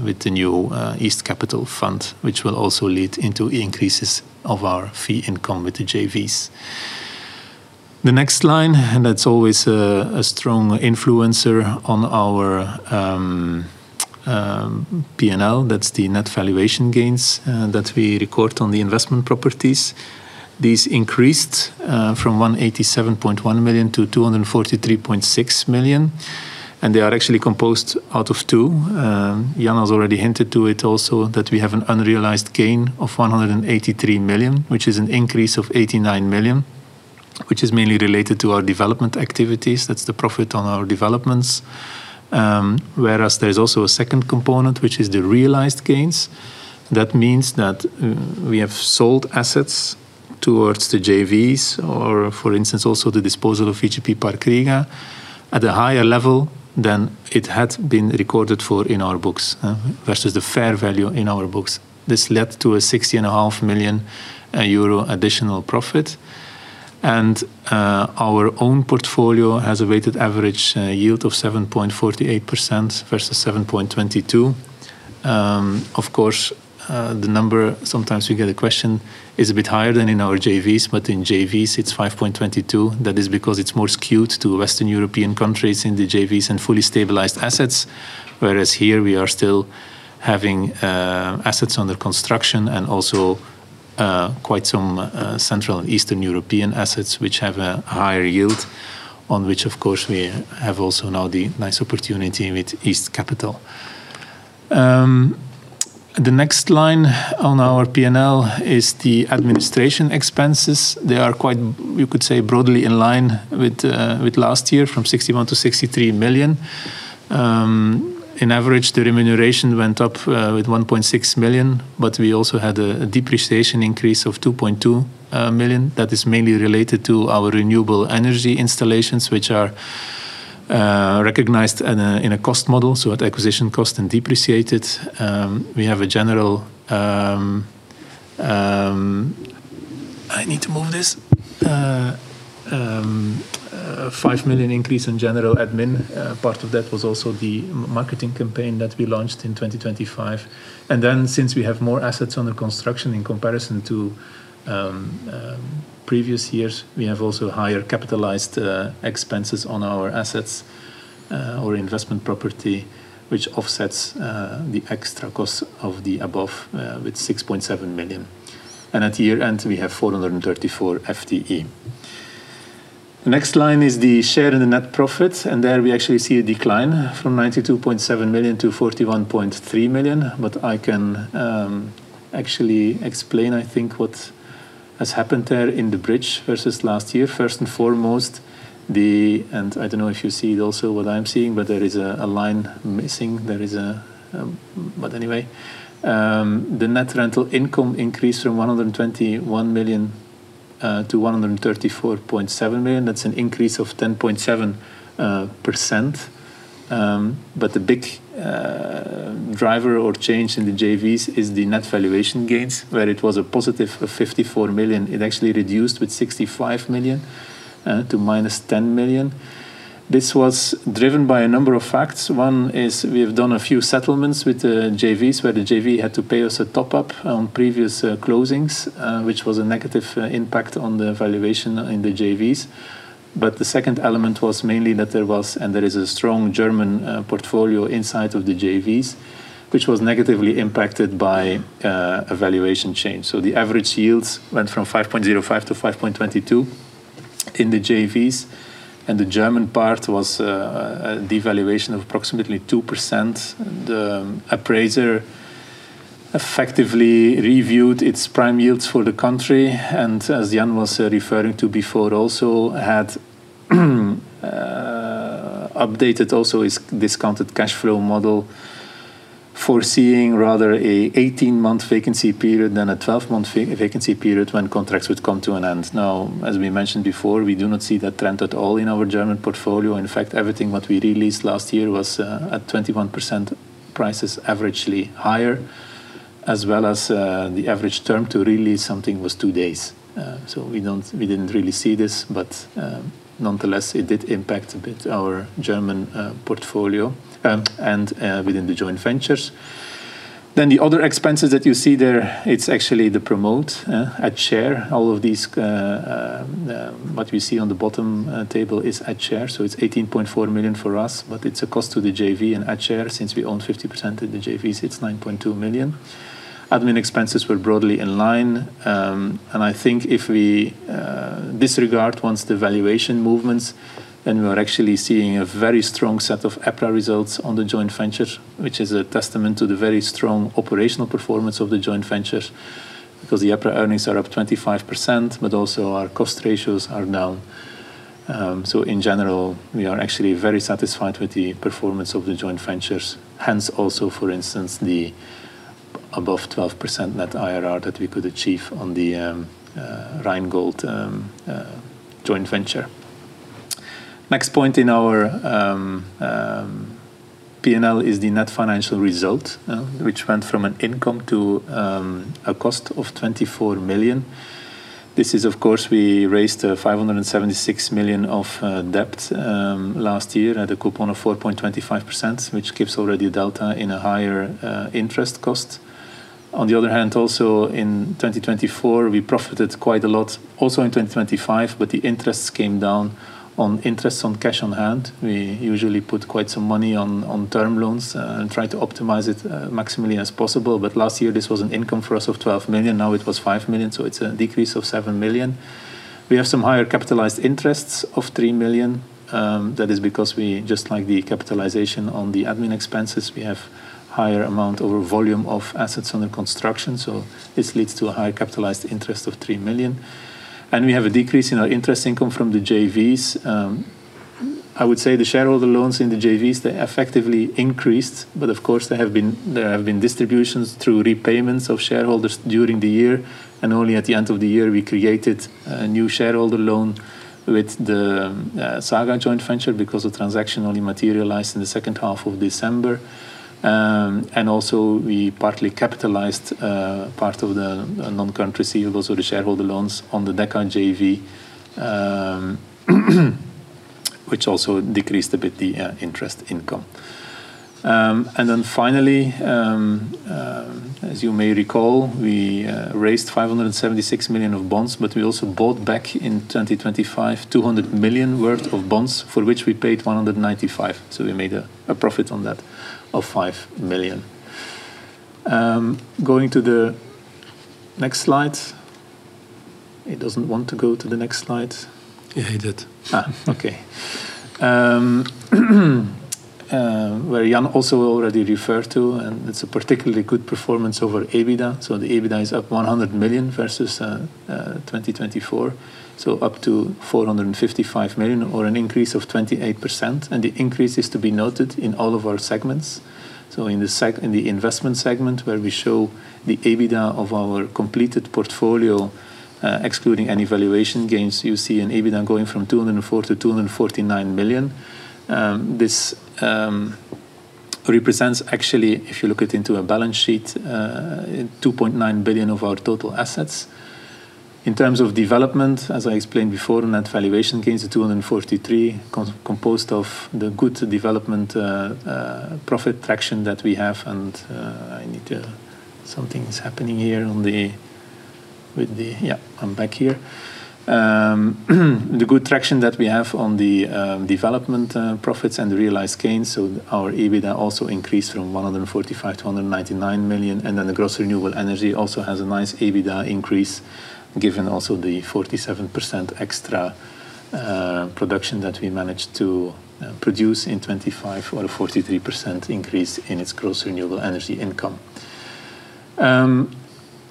with the new, East Capital fund, which will also lead into increases of our fee income with the JVs. The next line, and that's always a strong influencer on our, P&L, that's the net valuation gains, that we record on the investment properties. These increased from 187.1 million to 243.6 million, and they are actually composed out of two. Jan has already hinted to it also, that we have an unrealized gain of 183 million, which is an increase of 89 million, which is mainly related to our development activities. That's the profit on our developments. Whereas there's also a second component, which is the realized gains. That means that we have sold assets towards the JVs or, for instance, also the disposal of VGP Park Riga at a higher level than it had been recorded for in our books versus the fair value in our books. This led to 60.5 million euro additional profit, and our own portfolio has a weighted average yield of 7.48% versus 7.22%. Of course, the number, sometimes we get a question, is a bit higher than in our JVs, but in JVs it's 5.22%. That is because it's more skewed to Western European countries in the JVs and fully stabilized assets, whereas here we are still having assets under construction and also quite some Central and Eastern European assets, which have a higher yield, on which of course we have also now the nice opportunity with East Capital. The next line on our P&L is the administration expenses. They are quite, you could say, broadly in line with last year, from 61 million to 63 million. On average, the remuneration went up with 1.6 million, but we also had a depreciation increase of 2.2 million. That is mainly related to renewable energy installations, which are recognized in a cost model, so at acquisition cost and depreciated. We have a general five million increase in general admin. Part of that was also the marketing campaign that we launched in 2025. Then since we have more assets under construction in comparison to previous years, we have also higher capitalized expenses on our assets or investment property, which offsets the extra costs of the above with 6.7 million. At year-end, we have 434 FTE. The next line is the share in the net profits, and there we actually see a decline from 92.7 million to 41.3 million. But I can actually explain, I think, what has happened there in the bridge versus last year. First and foremost, I don't know if you see it also what I'm seeing, but there is a line missing. But anyway, the net rental income increased from 121 million to 134.7 million. That's an increase of 10.7%. But the big driver or change in the JVs is the net valuation gains, where it was a positive of 54 million, it actually reduced with 65 million to -10 million. This was driven by a number of facts. One is, we have done a few settlements with the JVs, where the JV had to pay us a top-up on previous, closings, which was a negative impact on the valuation in the JVs. But the second element was mainly that there was, and there is a strong German portfolio inside of the JVs, which was negatively impacted by a valuation change. So the average yields went from 5.05 to 5.22 in the JVs, and the German part was a devaluation of approximately 2%. The appraiser effectively reviewed its prime yields for the country, and as Jan was referring to before, also had updated also its discounted cash flow model, foreseeing rather an 18-month vacancy period than a 12-month vacancy period when contracts would come to an end. Now, as we mentioned before, we do not see that trend at all in our German portfolio. In fact, everything what we released last year was at 21% prices averagely higher, as well as the average term to release something was two days. So we didn't really see this, but nonetheless, it did impact a bit our German portfolio, and within the joint ventures. Then the other expenses that you see there, it's actually the promote at share. All of these what we see on the bottom table is at share, so it's 18.4 million for us, but it's a cost to the JV and at share, since we own 50% of the JVs, it's 9.2 million. Admin expenses were broadly in line. And I think if we disregard once the valuation movements, then we are actually seeing a very strong set of EPRA results on the joint venture, which is a testament to the very strong operational performance of the joint venture, because the EPRA earnings are up 25%, but also our cost ratios are down. So in general, we are actually very satisfied with the performance of the joint ventures, hence also, for instance, the above 12% net IRR that we could achieve on the Rheingold joint venture. Next point in our P&L is the net financial result, which went from an income to a cost of 24 million. This is, of course, we raised 576 million of debt last year at a coupon of 4.25%, which gives already a delta in a higher interest cost. On the other hand, also in 2024, we profited quite a lot, also in 2025, but the interests came down. On interest on cash on hand, we usually put quite some money on term loans and try to optimize it maximally as possible. But last year, this was an income for us of 12 million, now it was 5 million, so it's a decrease of 7 million. We have some higher capitalized interests of 3 million. That is because we just like the capitalization on the admin expenses, we have higher amount over volume of assets under construction, so this leads to a higher capitalized interest of 3 million. We have a decrease in our interest income from the JVs. I would say the shareholder loans in the JVs, they effectively increased, but of course, there have been distributions through repayments of shareholders during the year, and only at the end of the year we created a new shareholder loan with the Saga Joint Venture because the transaction only materialized in the second half of December. And also we partly capitalized part of the non-current receivables or the shareholder loans on the Deka JV, which also decreased a bit the interest income. And then finally, as you may recall, we raised 576 million of bonds, but we also bought back in 2025, 200 million worth of bonds, for which we paid 195 million. So we made a profit on that of 5 million. Going to the next slide. It doesn't want to go to the next slide. Yeah, it did. Okay, where Jan also already referred to, and it's a particularly good performance over EBITDA. So the EBITDA is up 100 million versus 2024, so up to 455 million or an increase of 28%, and the increase is to be noted in all of our segments. So in the Investment segment, where we show the EBITDA of our completed portfolio, excluding any valuation gains, you see an EBITDA going from 204 million to 249 million. This represents actually, if you look it into a balance sheet, 2.9 billion of our total assets. In terms of development, as I explained before, net valuation gains of 243, composed of the good development profit traction that we have, and I need to. The good traction that we have on the development profits and the realized gains, so our EBITDA also increased from 145 million to 199 million, and then the renewable energy also has a nice EBITDA increase, given also the 47% extra production that we managed to produce in 2025 or a 43% increase in its renewable energy income.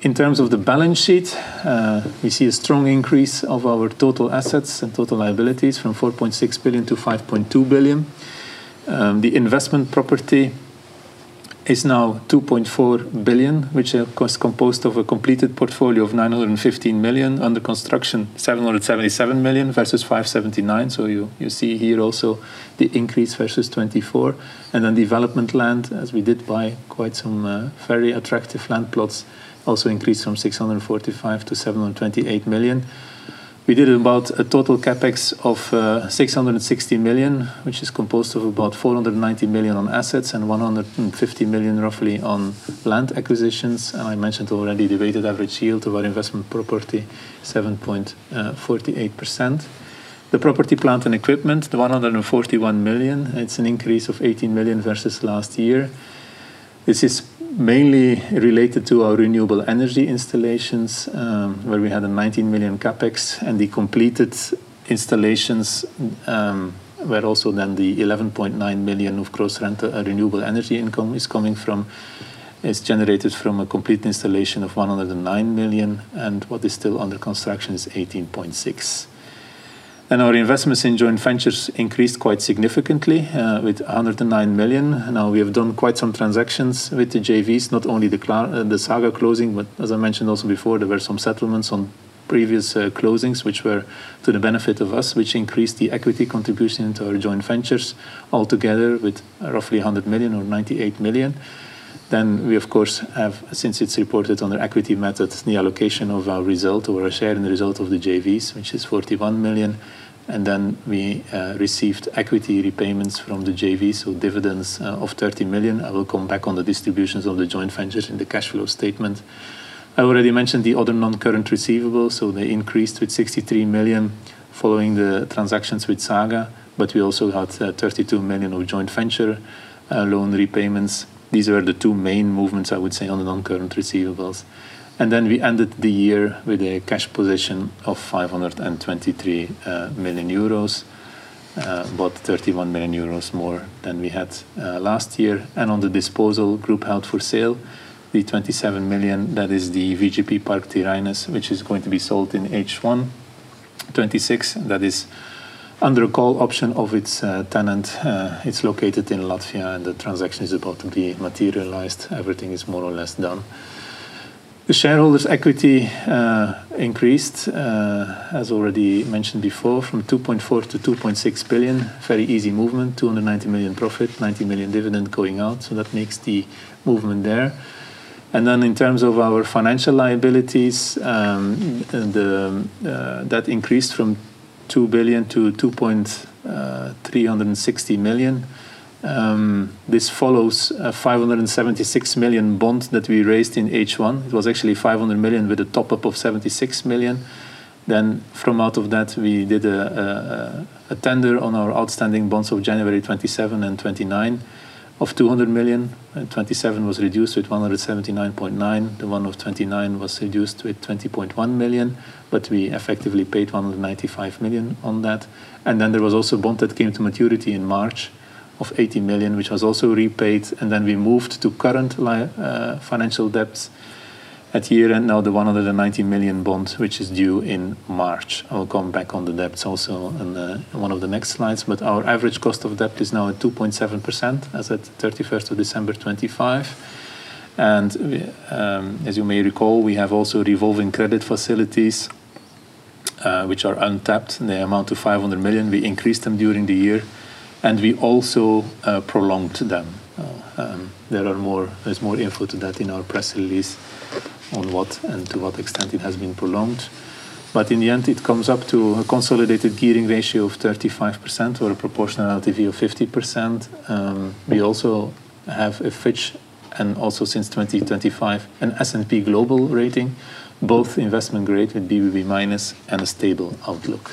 In terms of the balance sheet, we see a strong increase of our total assets and total liabilities from 4.6 billion to 5.2 billion. The investment property is now 2.4 billion, which, of course, composed of a completed portfolio of 915 million, under construction, 777 million versus 579 million. So you see here also the increase versus 2024. And then development land, as we did buy quite some very attractive land plots, also increased from 645 million to 728 million. We did about a total CapEx of six hundred and sixty million, which is composed of about 490 million on assets and 150 million roughly on land acquisitions. And I mentioned already the weighted average yield of our investment property, 7.48%. The property plant and equipment, the 141 million, it's an increase of 18 million versus last year. This is mainly related to renewable energy installations, where we had a 19 million CapEx, and the completed installations were also then the 11.9 million of gross rental renewable energy income is coming from, is generated from a complete installation of 109 million, and what is still under construction is 18.6 million. Our investments in joint ventures increased quite significantly with a 109 million. Now, we have done quite some transactions with the JVs, not only the Saga closing, but as I mentioned also before, there were some settlements on previous closings, which were to the benefit of us, which increased the equity contribution to our joint ventures altogether with roughly a 100 million or 98 million. Then we, of course, have, since it's reported on the equity methods, the allocation of our result or our share in the result of the JVs, which is 41 million. And then we received equity repayments from the JVs, so dividends, of 30 million. I will come back on the distributions of the joint ventures in the cash flow statement. I already mentioned the other non-current receivables, so they increased with 63 million following the transactions with Saga, but we also had 32 million of joint venture loan repayments. These were the two main movements, I would say, on the non-current receivables. And then we ended the year with a cash position of 523 million euros, about 31 million euros more than we had last year. On the disposal group held for sale, the 27 million, that is the VGP Park Tiraines, which is going to be sold in H1 2026. That is under a call option of its tenant. It's located in Latvia, and the transaction is about to be materialized. Everything is more or less done. The shareholders' equity increased, as already mentioned before, from 2.4 billion to 2.6 billion. Very easy movement, 290 million profit, 90 million dividend going out, so that makes the movement there. And then in terms of our financial liabilities, that increased from 2 billion to 2.36 billion. This follows a 576 million bond that we raised in H1. It was actually 500 million, with a top-up of 76 million. Then from out of that, we did a tender on our outstanding bonds of January 2027 and 2029. Of 200 million, and 2027 was reduced to 179.9 million. The one of 2029 was reduced to 20.1 million, but we effectively paid 195 million on that. And then there was also a bond that came to maturity in March of 80 million, which was also repaid, and then we moved to current financial debt at year-end, now the 190 million bonds, which is due in March. I will come back on the debts also in the, in one of the next slides, but our average cost of debt is now at 2.7%, as at 31st December 2025. And we, as you may recall, we have also revolving credit facilities, which are untapped. They amount to 500 million. We increased them during the year, and we also prolonged them. There are more—there's more info to that in our press release on what and to what extent it has been prolonged. But in the end, it comes up to a consolidated gearing ratio of 35% or a proportionality view of 50%. We also have a Fitch, and also since 2025, an S&P Global rating, both investment grade with BBB- and a stable outlook.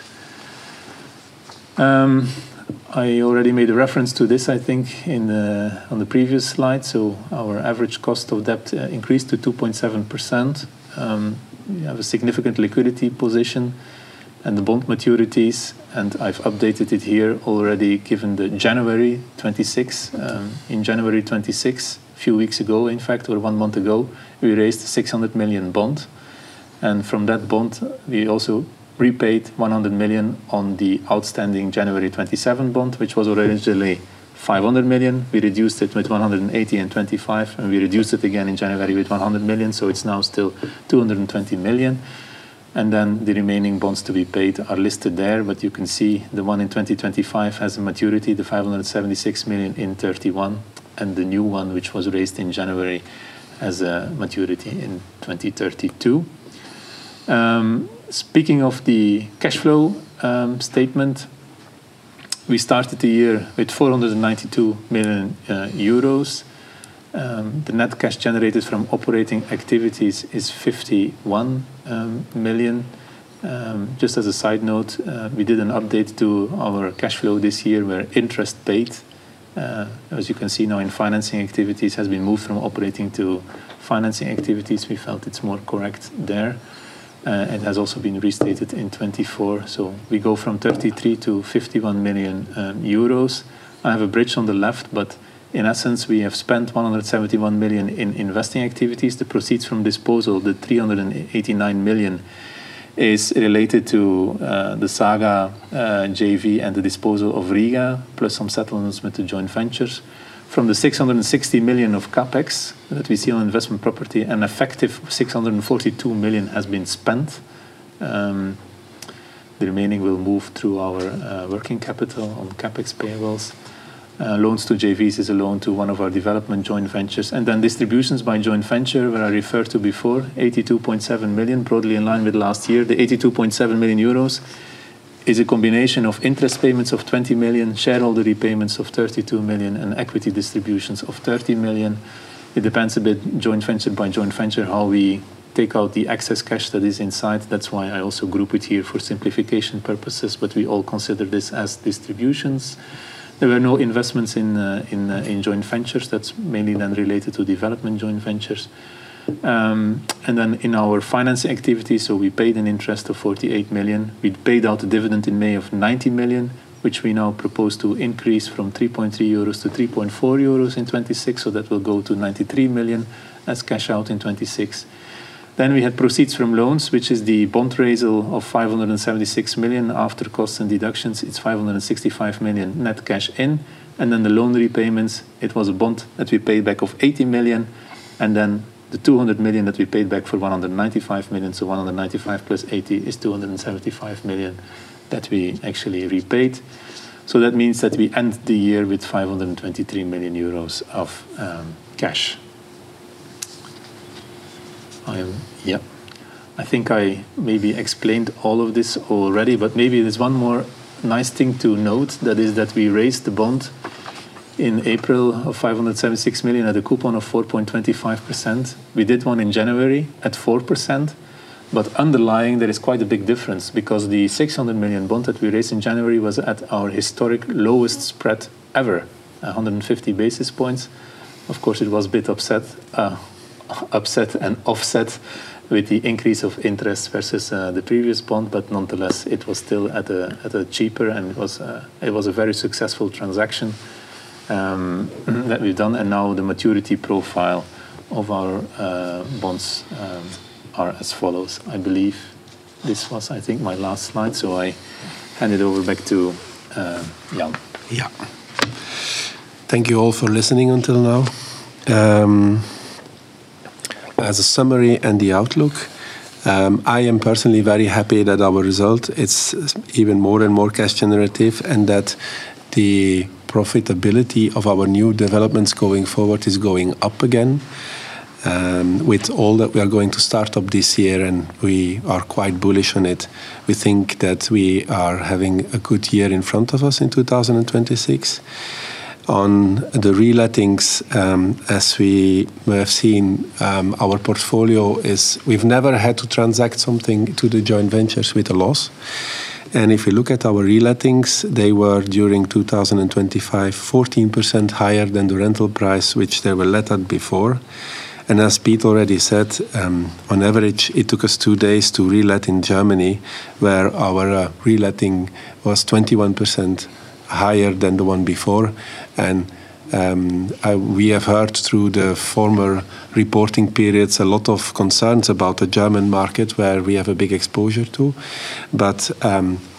I already made a reference to this, I think, in the on the previous slide. So our average cost of debt increased to 2.7%. We have a significant liquidity position and the bond maturities, and I've updated it here already, given the January 2026. In January 2026, a few weeks ago, in fact, or one month ago, we raised 600 million bond, and from that bond, we also repaid 100 million on the outstanding January 2027 bond, which was originally 500 million. We reduced it with 185 million, and we reduced it again in January with 100 million, so it's now still 220 million. And then the remaining bonds to be paid are listed there, but you can see the one in 2025 has a maturity, the 576 million in 2031, and the new one, which was raised in January, has a maturity in 2032. Speaking of the cash flow statement, we started the year with 492 million euros. The net cash generated from operating activities is 51 million. Just as a side note, we did an update to our cash flow this year, where interest paid, as you can see now in financing activities, has been moved from operating to financing activities. We felt it's more correct there, and has also been restated in 2024. So we go from 33 million-51 million euros. I have a bridge on the left, but in essence, we have spent 171 million in investing activities. The proceeds from disposal, the 389 million, is related to the Saga JV and the disposal of Riga, plus some settlements with the joint ventures. From the 660 million of CapEx that we see on investment property, an effective 642 million has been spent. The remaining will move to our working capital on CapEx payables. Loans to JVs is a loan to one of our development joint ventures, and then distributions by joint venture, where I referred to before, 82.7 million, broadly in line with last year. The 82.7 million euros is a combination of interest payments of 20 million, shareholder repayments of 32 million, and equity distributions of 30 million. It depends a bit, joint venture by joint venture, how we take out the excess cash that is inside. That's why I also group it here for simplification purposes, but we all consider this as distributions. There were no investments in joint ventures. That's mainly then related to development joint ventures. And then in our financing activity, so we paid an interest of 48 million. We paid out a dividend in May of 90 million, which we now propose to increase from 3.3 euros to 3.4 euros in 2026, so that will go to 93 million as cash out in 2026. Then we had proceeds from loans, which is the bond raise of 576 million. After costs and deductions, it's 565 million net cash in, and then the loan repayments, it was a bond that we paid back of 80 million, and then the 200 million that we paid back for 195 million. So 195 million plus 80 million is 275 million that we actually repaid. So that means that we end the year with 523 million euros of cash. Yep, I think I maybe explained all of this already, but maybe there's one more nice thing to note that is that we raised the bond in EPRA of 576 million at a coupon of 4.25%. We did one in January at 4%, but underlying, there is quite a big difference because the 600 million bond that we raised in January was at our historic lowest spread ever, 150 basis points. Of course, it was a bit upset, upset and offset with the increase of interest versus the previous bond, but nonetheless, it was still at a cheaper and it was a very successful transaction that we've done, and now the maturity profile of our bonds are as follows. I believe this was, I think, my last slide, so I hand it over back to Jan. Yeah. Thank you all for listening until now. As a summary and the outlook, I am personally very happy that our result, it's even more and more cash generative, and that the profitability of our new developments going forward is going up again. With all that we are going to start up this year, and we are quite bullish on it, we think that we are having a good year in front of us in 2026. On the relettings, as we may have seen, our portfolio is. We've never had to transact something to the joint ventures with a loss, and if you look at our relettings, they were, during 2025, 14% higher than the rental price, which they were let at before. And as Piet already said, on average, it took us two days to relet in Germany, where our reletting was 21% higher than the one before. And we have heard through the former reporting periods, a lot of concerns about the German market, where we have a big exposure to. But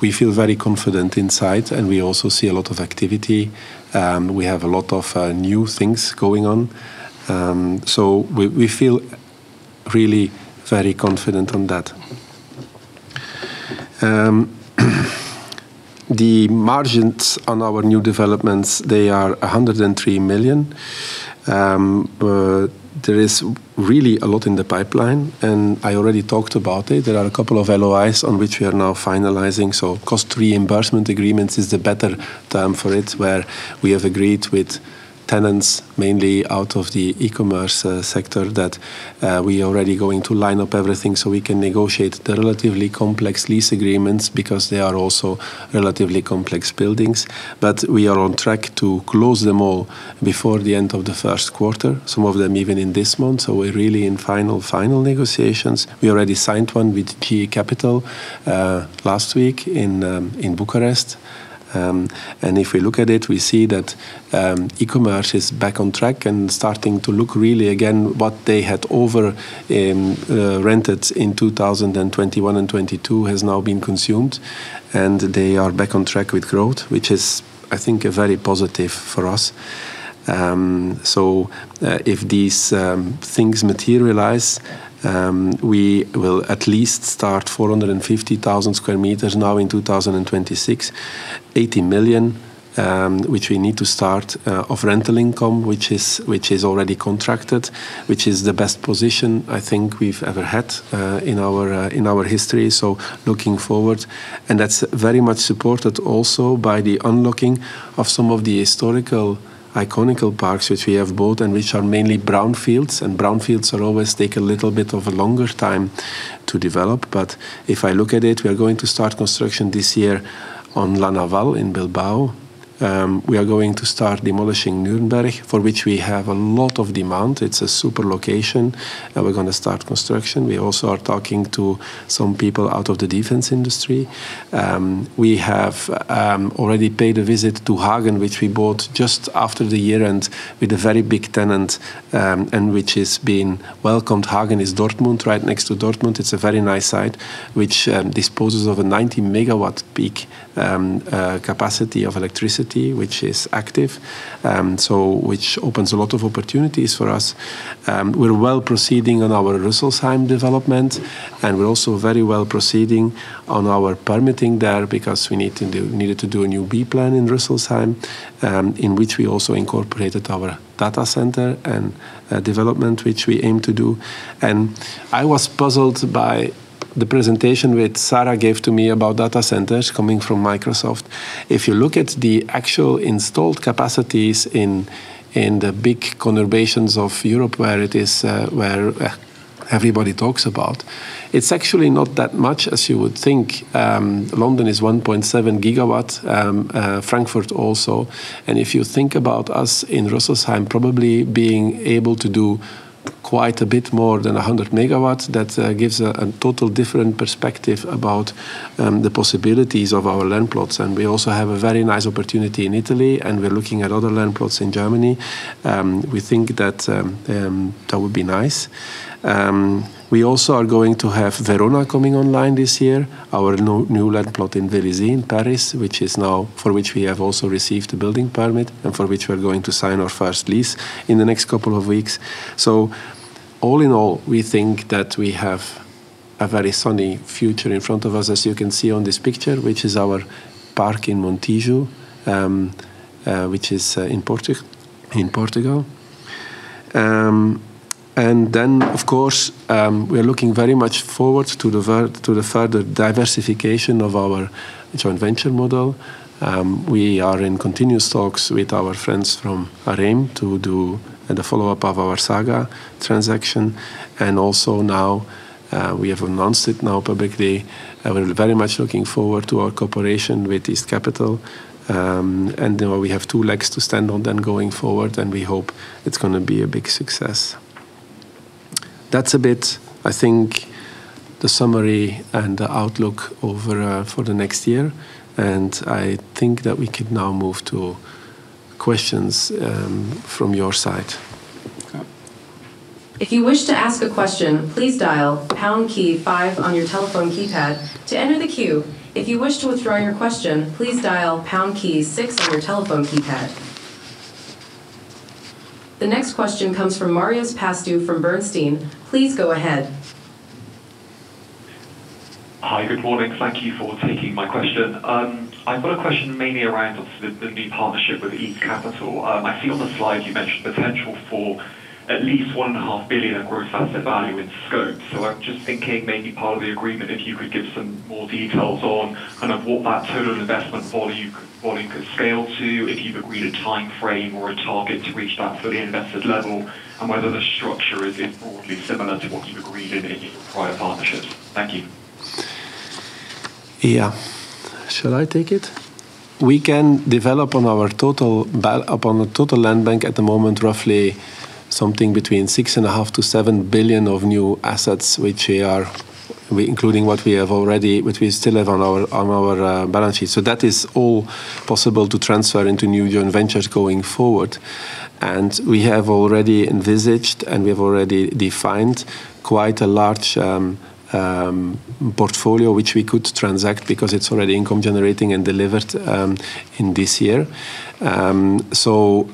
we feel very confident inside, and we also see a lot of activity. We have a lot of new things going on, so we feel really very confident on that. The margins on our new developments, they are 103 million. There is really a lot in the pipeline, and I already talked about it. There are a couple of LOIs on which we are now finalizing, so cost reimbursement agreements is the better term for it, where we have agreed with tenants, mainly out of the e-commerce sector, that we already going to line up everything, so we can negotiate the relatively complex lease agreements because they are also relatively complex buildings. But we are on track to close them all before the end of the first quarter, some of them even in this month, so we're really in final, final negotiations. We already signed one with GE Capital last week in Bucharest. If we look at it, we see that e-commerce is back on track and starting to look really again, what they had over rented in 2021 and 2022 has now been consumed, and they are back on track with growth, which is, I think, a very positive for us. So, if these things materialize, we will at least start 450,000 square meters now in 2026. 80 million, which we need to start, of rental income, which is, which is already contracted, which is the best position I think we've ever had, in our history. So looking forward, and that's very much supported also by the unlocking of some of the historical iconic parks, which we have bought, and which are mainly brownfields, and brownfields are always take a little bit of a longer time to develop. But if I look at it, we are going to start construction this year on La Naval in Bilbao. We are going to start demolishing Nürnberg, for which we have a lot of demand. It's a super location, and we're gonna start construction. We also are talking to some people out of the defense industry. We have already paid a visit to Hagen, which we bought just after the year-end with a very big tenant, and which is being welcomed. Hagen is Dortmund, right next to Dortmund. It's a very nice site, which disposes of a 90-MW peak capacity of electricity, which is active, so which opens a lot of opportunities for us. We're well proceeding on our Rüsselsheim development, and we're also very well proceeding on our permitting there because we need to do- we needed to do a new B-Plan in Rüsselsheim, in which we also incorporated our data center and development, which we aim to do. And I was puzzled by the presentation which Sarah gave to me about data centers coming from Microsoft. If you look at the actual installed capacities in the big conurbations of Europe, where everybody talks about, it's actually not that much as you would think. London is 1.7 GW, Frankfurt also, and if you think about us in Rüsselsheim, probably being able to do quite a bit more than 100 MW, that gives a total different perspective about the possibilities of our land plots. And we also have a very nice opportunity in Italy, and we're looking at other land plots in Germany. We think that that would be nice. We also are going to have Verona coming online this year, our new land plot in Vélizy, in Paris, which is now. for which we have also received a building permit and for which we are going to sign our first lease in the next couple of weeks. So all in all, we think that we have a very sunny future in front of us, as you can see on this picture, which is our park in Montijo, which is in Portugal. And then, of course, we are looking very much forward to the further diversification of our joint venture model. We are in continuous talks with our friends from Areim to do the follow-up of our Saga transaction. And also now, we have announced it now publicly, and we're very much looking forward to our cooperation with East Capital. And then we have two legs to stand on then going forward, and we hope it's gonna be a big success. That's a bit, I think, the summary and the outlook over for the next year, and I think that we could now move to questions from your side. Okay. If you wish to ask a question, please dial pound key five on your telephone keypad to enter the queue. If you wish to withdraw your question, please dial pound key six on your telephone keypad. The next question comes from Marios Pastou from Bernstein. Please go ahead. Hi, good morning. Thank you for taking my question. I've got a question mainly around the new partnership with East Capital. I see on the slide you mentioned potential for at least 1.5 billion of gross asset value in scope. So I'm just thinking, maybe part of the agreement, if you could give some more details on kind of what that total investment volume could scale to, if you've agreed a timeframe or a target to reach that fully invested level, and whether the structure is broadly similar to what you've agreed in your prior partnerships. Thank you. Yeah. Shall I take it? We can develop upon the total land bank at the moment, roughly something between 6.5-7 billion of new assets, which we are including what we have already, which we still have on our balance sheet. So that is all possible to transfer into new joint ventures going forward. And we have already envisaged, and we have already defined quite a large portfolio, which we could transact because it's already income generating and delivered in this year. So,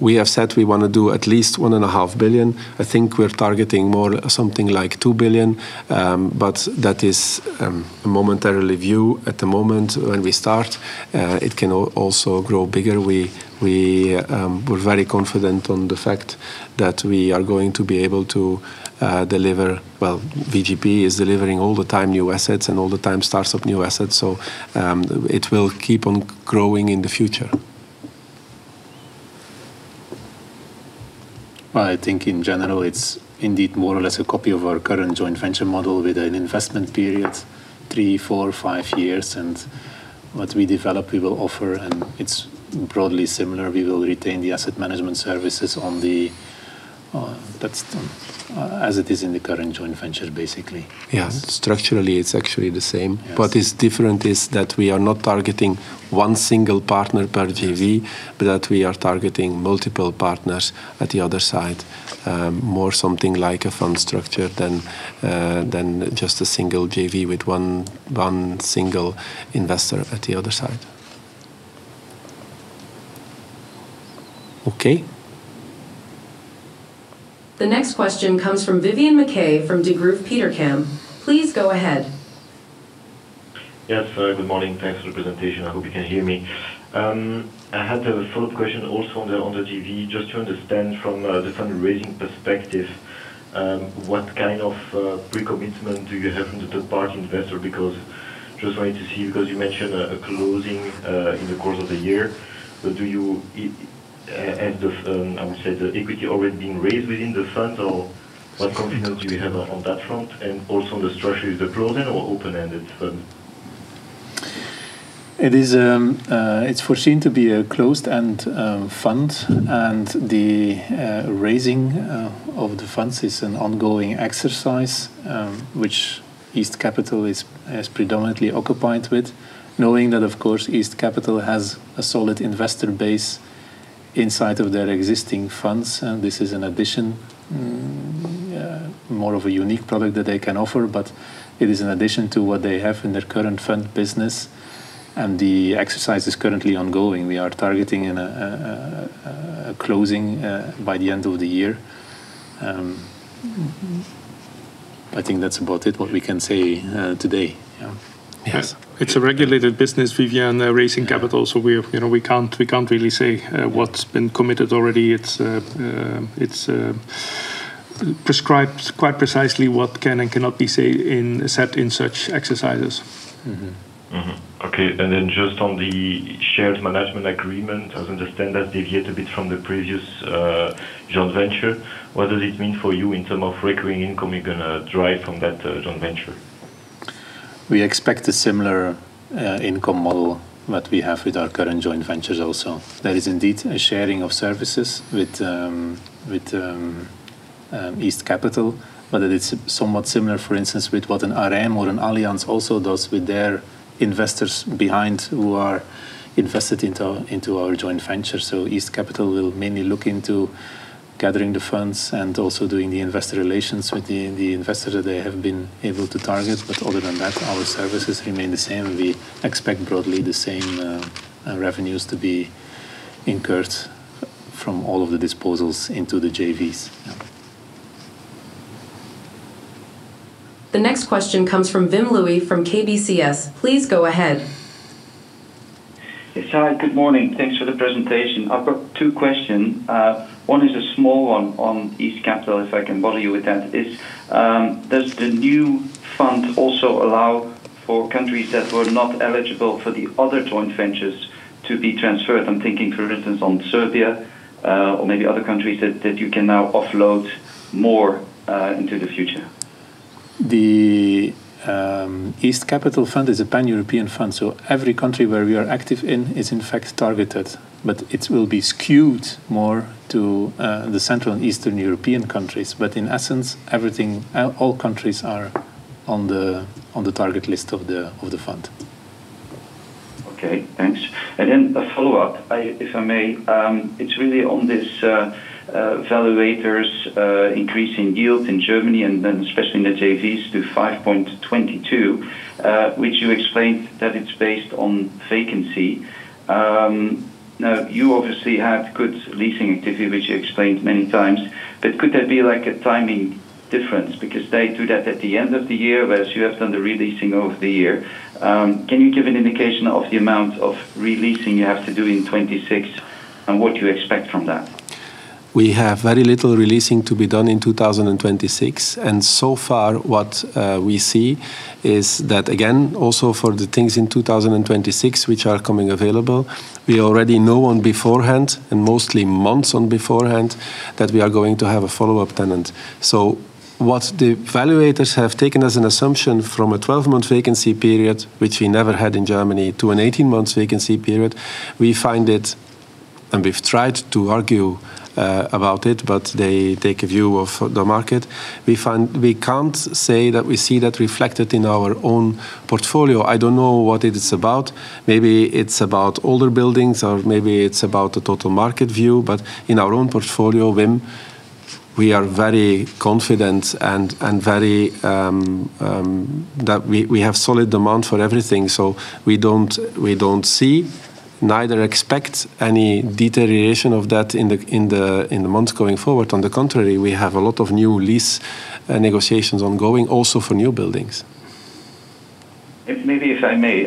we have said we wanna do at least 1.5 billion. I think we're targeting more, something like 2 billion, but that is a momentary view at the moment when we start. It can also grow bigger. We're very confident on the fact that we are going to be able to deliver. Well, VGP is delivering all the time new assets and all the time starts up new assets, so it will keep on growing in the future. Well, I think in general, it's indeed more or less a copy of our current joint venture model with an investment period, three years, four years, five years. What we develop, we will offer, and it's broadly similar. We will retain the asset management services on the, that's, as it is in the current joint venture, basically. Yeah. Structurally, it's actually the same. Yes. What is different is that we are not targeting one single partner per JV- Yes but that we are targeting multiple partners at the other side. More something like a fund structure than just a single JV with one single investor at the other side. Okay. The next question comes from Vivien Maquet from Degroof Petercam. Please go ahead. Yes. Good morning. Thanks for the presentation. I hope you can hear me. I had a follow-up question also on the, on the JV, just to understand from the fundraising perspective, what kind of pre-commitment do you have from the third-party investor? Because just wanted to see, because you mentioned a, a closing in the course of the year, but do you have the, I would say, the equity already being raised within the fund, or what confidence do you have on that front? And also, on the structure, is it a closed-end or open-ended fund? It is, it's foreseen to be a closed-end fund, and the raising of the funds is an ongoing exercise, which East Capital is predominantly occupied with. Knowing that, of course, East Capital has a solid investor base inside of their existing funds, and this is an addition, more of a unique product that they can offer, but it is an addition to what they have in their current fund business, and the exercise is currently ongoing. We are targeting in a closing by the end of the year. I think that's about it, what we can say today. Yeah. Yes, it's a regulated business, Vivien, raising capital, so we, you know, we can't, we can't really say what's been committed already. It's prescribed quite precisely what can and cannot be said in such exercises. Mm-hmm. Mm-hmm. Okay, and then just on the shared management agreement, as I understand that deviate a bit from the previous joint venture. What does it mean for you in term of recurring income you're gonna derive from that joint venture? We expect a similar income model that we have with our current joint ventures also. There is indeed a sharing of services with East Capital, but it's somewhat similar, for instance, with what an RM or an Allianz also does with their investors behind, who are invested into our joint venture. So East Capital will mainly look into gathering the funds and also doing the investor relations with the investor that they have been able to target, but other than that, our services remain the same. We expect broadly the same revenues to be incurred from all of the disposals into the JVs. Yeah. The next question comes from Wim Lewi, from KBCS. Please go ahead. Yes, hi. Good morning. Thanks for the presentation. I've got two question. One is a small one on East Capital, if I can bother you with that, is, does the new fund also allow for countries that were not eligible for the other joint ventures to be transferred? I'm thinking, for instance, on Serbia, or maybe other countries that, that you can now offload more, into the future. The East Capital fund is a Pan-European Fund, so every country where we are active in is, in fact, targeted, but it will be skewed more to the Central and Eastern European countries. But in essence, everything, all countries are on the target list of the fund. Okay, thanks. And then a follow-up, if I may, it's really on this valuators' increasing yield in Germany and then especially in the JVs to 5.22, which you explained that it's based on vacancy. Now, you obviously had good leasing activity, which you explained many times, but could there be, like, a timing difference? Because they do that at the end of the year, whereas you have done the re-leasing over the year. Can you give an indication of the amount of re-leasing you have to do in 2026, and what you expect from that? We have very little re-leasing to be done in 2026, and so far, what we see is that, again, also for the things in 2026, which are coming available, we already know on beforehand, and mostly months on beforehand, that we are going to have a follow-up tenant. So what the valuators have taken as an assumption from a 12-month vacancy period, which we never had in Germany, to an 18-month vacancy period, we find it. And we've tried to argue about it, but they take a view of the market. We find we can't say that we see that reflected in our own portfolio. I don't know what it is about. Maybe it's about older buildings, or maybe it's about the total market view, but in our own portfolio, Wim, we are very confident and, and very. That we have solid demand for everything, so we don't see, neither expect any deterioration of that in the months going forward. On the contrary, we have a lot of new lease negotiations ongoing, also for new buildings. If, maybe if I may,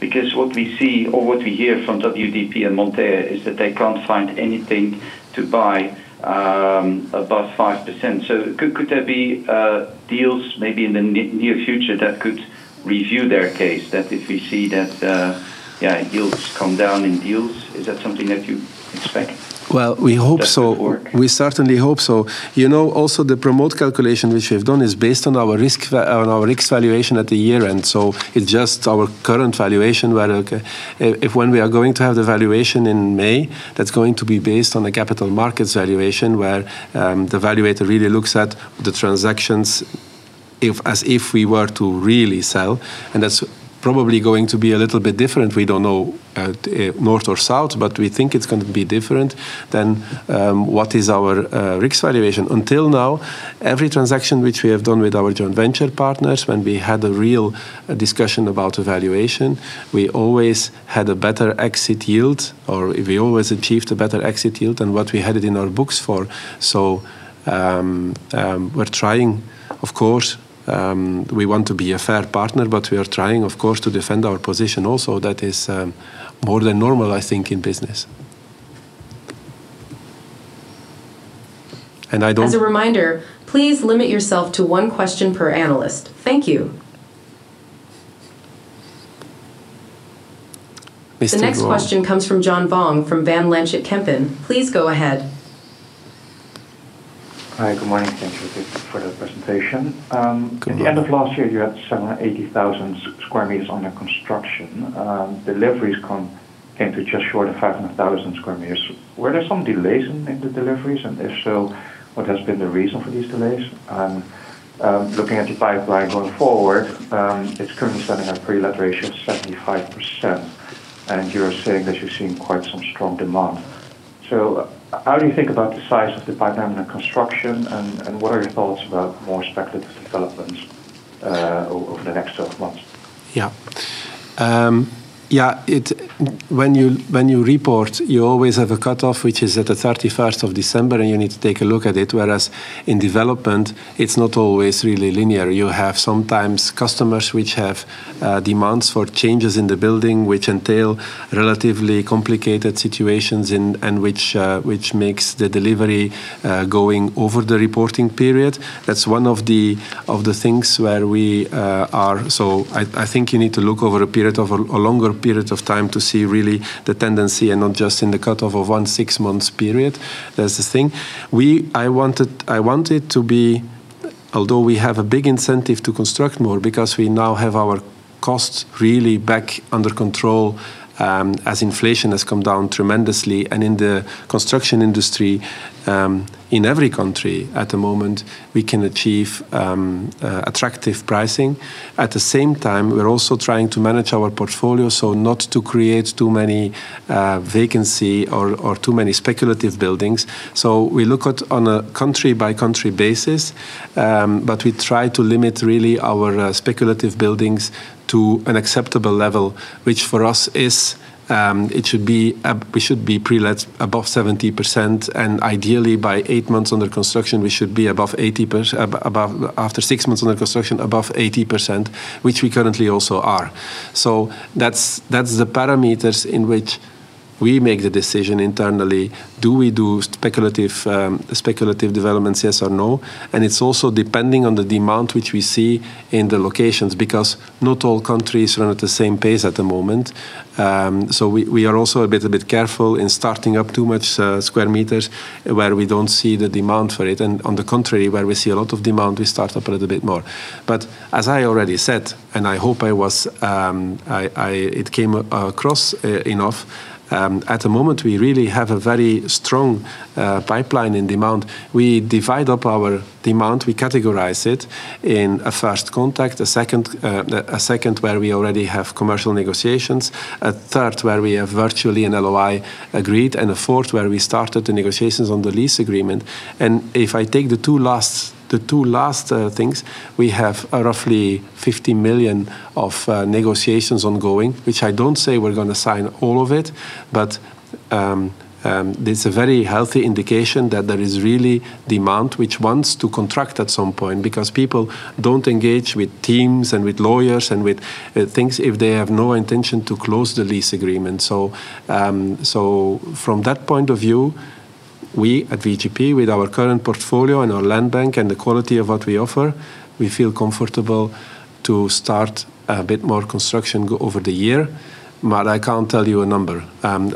because what we see or what we hear from WDP and Montea is that they can't find anything to buy above 5%. So could there be deals maybe in the near future that could review their case, that if we see that, yeah, yields come down in deals, is that something that you expect? Well, we hope so. That to work? We certainly hope so. You know, also the promote calculation, which we've done, is based on our risk valuation at the year-end, so it's just our current valuation, where if when we are going to have the valuation in May, that's going to be based on the capital markets valuation, where the valuator really looks at the transactions as if we were to really sell, and that's probably going to be a little bit different. We don't know north or south, but we think it's going to be different than what is our risk valuation. Until now, every transaction which we have done with our joint venture partners, when we have had a real discussion about a valuation, we always had a better exit yield, or we always achieved a better exit yield than what we had it in our books for. So, we're trying, of course, we want to be a fair partner, but we are trying, of course, to defend our position also. That is, more than normal, I think, in business. And I don't- As a reminder, please limit yourself to one question per analyst. Thank you. Mr.- The next question comes from John Vuong, from Van Lanschot Kempen. Please go ahead. Hi, good morning. Thank you again for the presentation. Good morning. At the end of last year, you had some 80,000 square meters under construction. Deliveries came to just short of 500,000 square meters. Were there some delays in the deliveries? And if so, what has been the reason for these delays? Looking at the pipeline going forward, it's currently standing at pre-let ratio of 75%, and you're saying that you're seeing quite some strong demand. So how do you think about the size of the pipeline under construction, and what are your thoughts about more speculative developments over the next 12 months? Yeah, when you report, you always have a cutoff, which is at the 31st of December, and you need to take a look at it, whereas in development, it's not always really linear. You have sometimes customers which have demands for changes in the building, which entail relatively complicated situations and which makes the delivery going over the reporting period. That's one of the things where we are. So I think you need to look over a period of a longer period of time to see really the tendency and not just in the cutoff of one six months period. That's the thing. I wanted, I want it to be, although we have a big incentive to construct more because we now have our costs really back under control, as inflation has come down tremendously, and in the construction industry, in every country at the moment, we can achieve attractive pricing. At the same time, we're also trying to manage our portfolio, so not to create too many vacancy or too many speculative buildings. So we look at on a country-by-country basis, but we try to limit really our speculative buildings to an acceptable level, which for us is, it should be a. We should be pre-lets above 70%, and ideally by eight months under construction, we should be above 80%, about, after six months under construction, above 80%, which we currently also are. So that's the parameters in which we make the decision internally. Do we do speculative developments, yes or no? And it's also depending on the demand which we see in the locations, because not all countries run at the same pace at the moment. So we are also a bit careful in starting up too much square meters where we don't see the demand for it, and on the contrary, where we see a lot of demand, we start up a little bit more. But as I already said, and I hope I was, it came across enough, at the moment, we really have a very strong pipeline in demand. We divide up our demand, we categorize it in a first contact, a second, a second where we already have commercial negotiations, a third where we have virtually an LOI agreed, and a fourth where we started the negotiations on the lease agreement. And if I take the two last, the two last, things, we have roughly 50 million of negotiations ongoing, which I don't say we're going to sign all of it, but, that's a very healthy indication that there is really demand which wants to contract at some point. Because people don't engage with teams and with lawyers and with, things if they have no intention to close the lease agreement. So, from that point of view, we at VGP, with our current portfolio and our land bank and the quality of what we offer, we feel comfortable to start a bit more construction go over the year, but I can't tell you a number.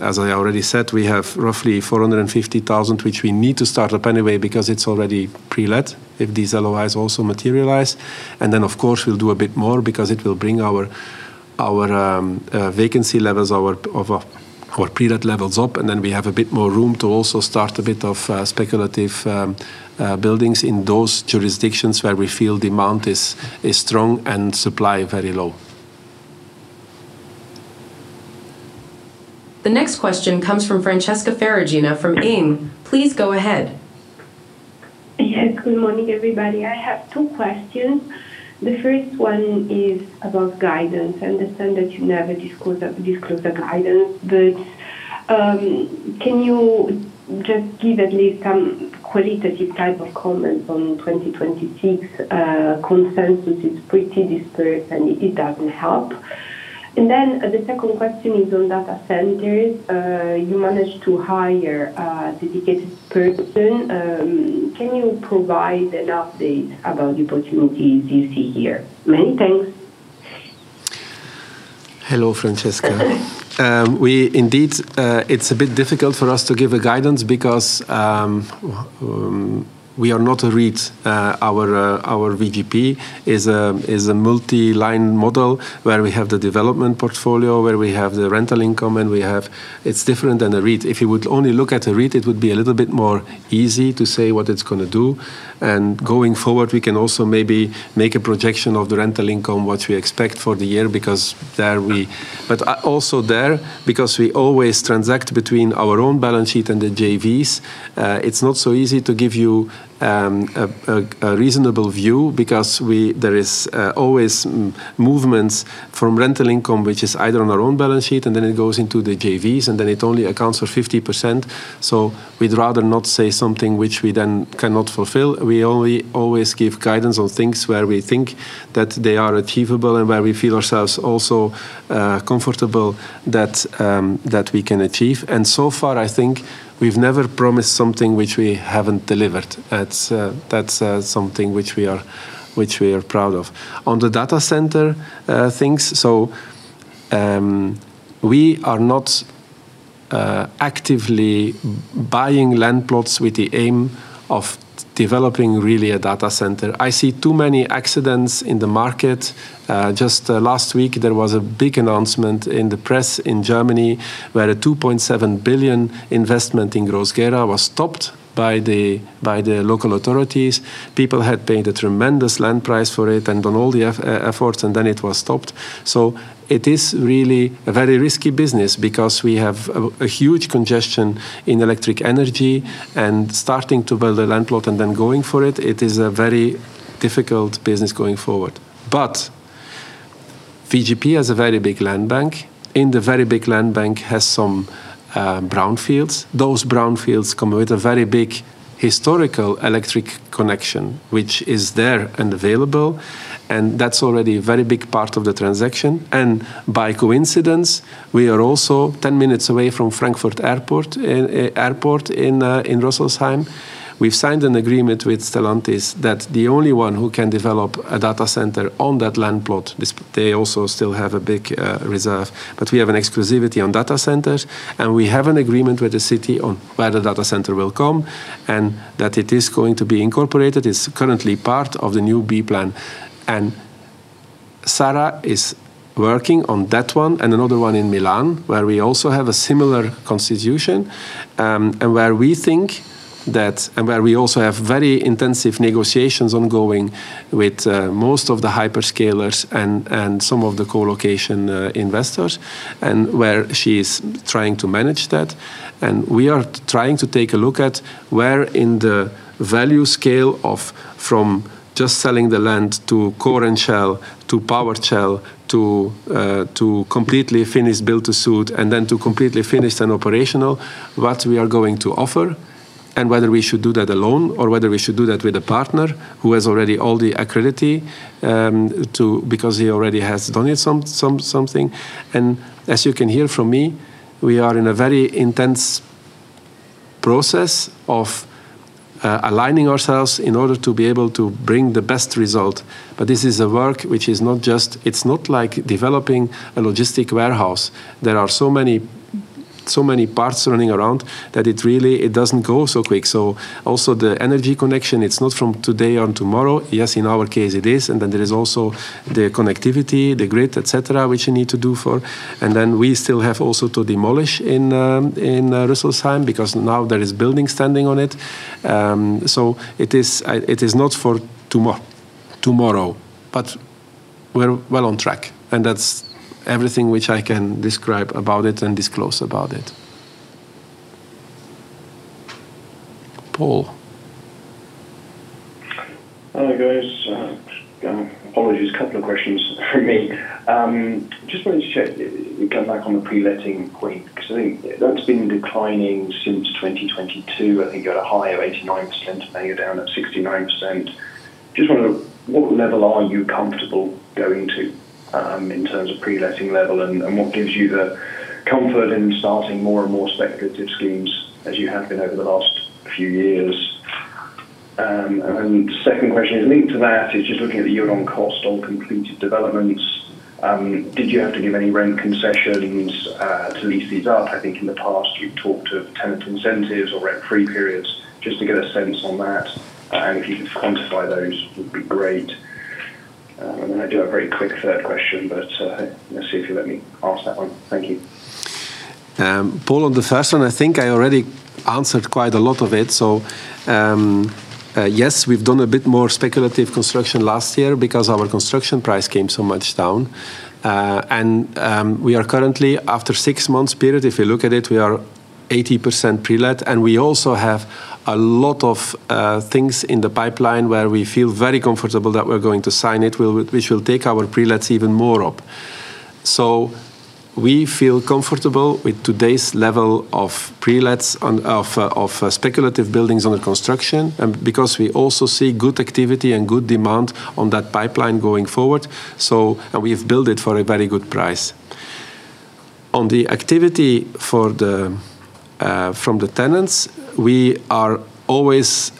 As I already said, we have roughly 450,000, which we need to start up anyway because it's already pre-let, if these LOIs also materialize. And then, of course, we'll do a bit more because it will bring our vacancy levels, our pre-let levels up, and then we have a bit more room to also start a bit of speculative buildings in those jurisdictions where we feel demand is strong and supply very low. The next question comes from Francesca Ferragina from ING. Please go ahead. Yeah. Good morning, everybody. I have two questions. The first one is about guidance. I understand that you never disclose a, disclose a guidance, but, can you just give at least some qualitative type of comments on 2026? Consensus is pretty dispersed, and it doesn't help. And then the second question is on data centers. You managed to hire a dedicated person. Can you provide an update about the opportunities you see here? Many thanks. Hello, Francesca. We indeed, it's a bit difficult for us to give a guidance because, we are not a REIT. Our, our VGP is a, is a multi-line model where we have the development portfolio, where we have the rental income, and we have. It's different than a REIT. If you would only look at a REIT, it would be a little bit more easy to say what it's going to do. Going forward, we can also maybe make a projection of the rental income, what we expect for the year, because there. But also there, because we always transact between our own balance sheet and the JVs, it's not so easy to give you a reasonable view because we, there is always movements from rental income, which is either on our own balance sheet, and then it goes into the JVs, and then it only accounts for 50%. So we'd rather not say something which we then cannot fulfill. We only always give guidance on things where we think that they are achievable and where we feel ourselves also comfortable that that we can achieve. And so far, I think we've never promised something which we haven't delivered. That's, that's something which we are, which we are proud of. On the data center things, so, we are not actively buying land plots with the aim of developing really a data center. I see too many accidents in the market. Just last week, there was a big announcement in the press in Germany, where a 2.7 billion investment in Groß-Gerau was stopped by the local authorities. People had paid a tremendous land price for it and done all the efforts, and then it was stopped. So it is really a very risky business because we have a huge congestion in electric energy, and starting to build a land plot and then going for it, it is a very difficult business going forward. But VGP has a very big land bank, and the very big land bank has some brownfields. Those brownfields come with a very big historical electric connection, which is there and available, and that's already a very big part of the transaction. And by coincidence, we are also ten minutes away from Frankfurt Airport, Airport in Rüsselsheim. We've signed an agreement with Stellantis that the only one who can develop a data center on that land plot is they also still have a big reserve, but we have an exclusivity on data centers, and we have an agreement with the city on where the data center will come, and that it is going to be incorporated. It's currently part of the new B plan, and Sarah is working on that one and another one in Milan, where we also have a similar situation. And where we also have very intensive negotiations ongoing with most of the hyperscalers and some of the co-location investors, and where she is trying to manage that. And we are trying to take a look at where in the value scale of, from just selling the land to core and shell, to power shell, to completely finish build to suit and then to completely finished and operational, what we are going to offer and whether we should do that alone or whether we should do that with a partner who has already all the accreditation to. Because he already has done it something. And as you can hear from me, we are in a very intense process of aligning ourselves in order to be able to bring the best result. But this is a work which is not just. It's not like developing a logistic warehouse. There are so many, so many parts running around that it really, it doesn't go so quick. So also the energy connection, it's not from today or tomorrow. Yes, in our case it is, and then there is also the connectivity, the grid, et cetera, which you need to do for. And then we still have also to demolish in Rüsselsheim, because now there is building standing on it. So it is not for tomorrow, but we're well on track, and that's everything which I can describe about it and disclose about it. Paul? Hi, guys. Apologies, couple of questions from me. Just wanted to check, come back on the pre-letting quick, because I think that's been declining since 2022. I think you had a high of 89%, now you're down at 69%. Just wondering, what level are you comfortable going to, in terms of pre-letting level, and what gives you the comfort in starting more and more speculative schemes as you have been over the last few years? And second question is linked to that, is just looking at the yield on cost on completed developments. Did you have to give any rent concessions, to lease these up? I think in the past you've talked of tenant incentives or rent-free periods, just to get a sense on that, and if you could quantify those, would be great. And then I do have a very quick third question, but, let's see if you let me ask that one. Thank you. Paul, on the first one, I think I already answered quite a lot of it, so, yes, we've done a bit more speculative construction last year because our construction price came so much down. And, we are currently, after six months period, if you look at it, we are 80% pre-let, and we also have a lot of things in the pipeline where we feel very comfortable that we're going to sign it, which will take our pre-lets even more up. So we feel comfortable with today's level of pre-lets on, of, of, speculative buildings under construction, and because we also see good activity and good demand on that pipeline going forward, so. And we've built it for a very good price. On the activity for the from the tenants, we are always.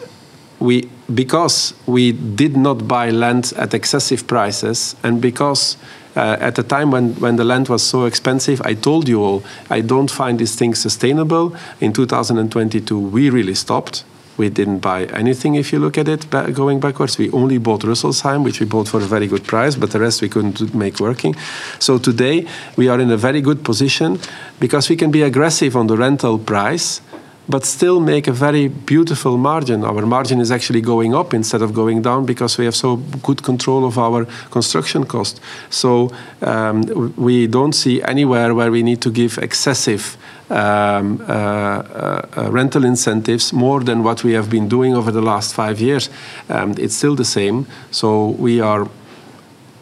We. Because we did not buy land at excessive prices, and because at the time when, when the land was so expensive, I told you all, "I don't find this thing sustainable." In 2022, we really stopped. We didn't buy anything, if you look at it, going backwards. We only bought Rüsselsheim, which we bought for a very good price, but the rest we couldn't make working. So today, we are in a very good position, because we can be aggressive on the rental price, but still make a very beautiful margin. Our margin is actually going up instead of going down, because we have so good control of our construction cost. So, we don't see anywhere where we need to give excessive rental incentives, more than what we have been doing over the last five years. It's still the same, so we are.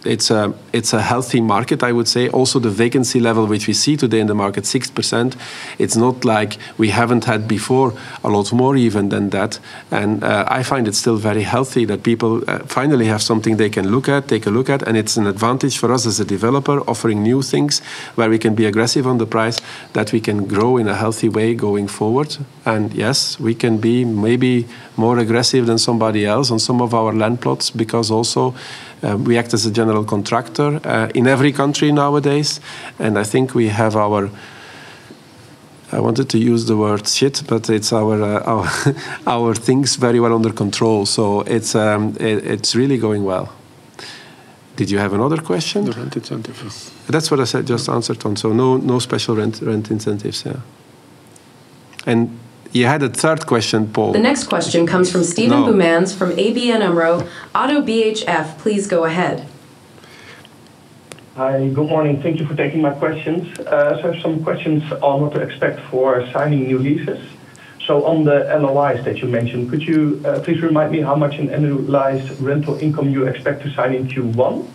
It's a healthy market, I would say. Also, the vacancy level which we see today in the market, 6%, it's not like we haven't had before a lot more even than that, and I find it still very healthy that people finally have something they can look at, take a look at, and it's an advantage for us as a developer, offering new things, where we can be aggressive on the price, that we can grow in a healthy way going forward. And yes, we can be maybe more aggressive than somebody else on some of our land plots, because also, we act as a general contractor in every country nowadays, and I think we have our, I wanted to use the word shit, but it's our things very well under control, so it's really going well. Did you have another question? The rent incentive, yes. That's what I said, just answered on, so no, no special rent rent incentives, yeah. And you had a third question, Paul. The next question comes from Steven Boumans, from ABN AMRO-ODDO BHF, please go ahead. Hi, good morning. Thank you for taking my questions. I have some questions on what to expect for signing new leases. So on the LOIs that you mentioned, could you please remind me how much in annualized rental income you expect to sign in Q1?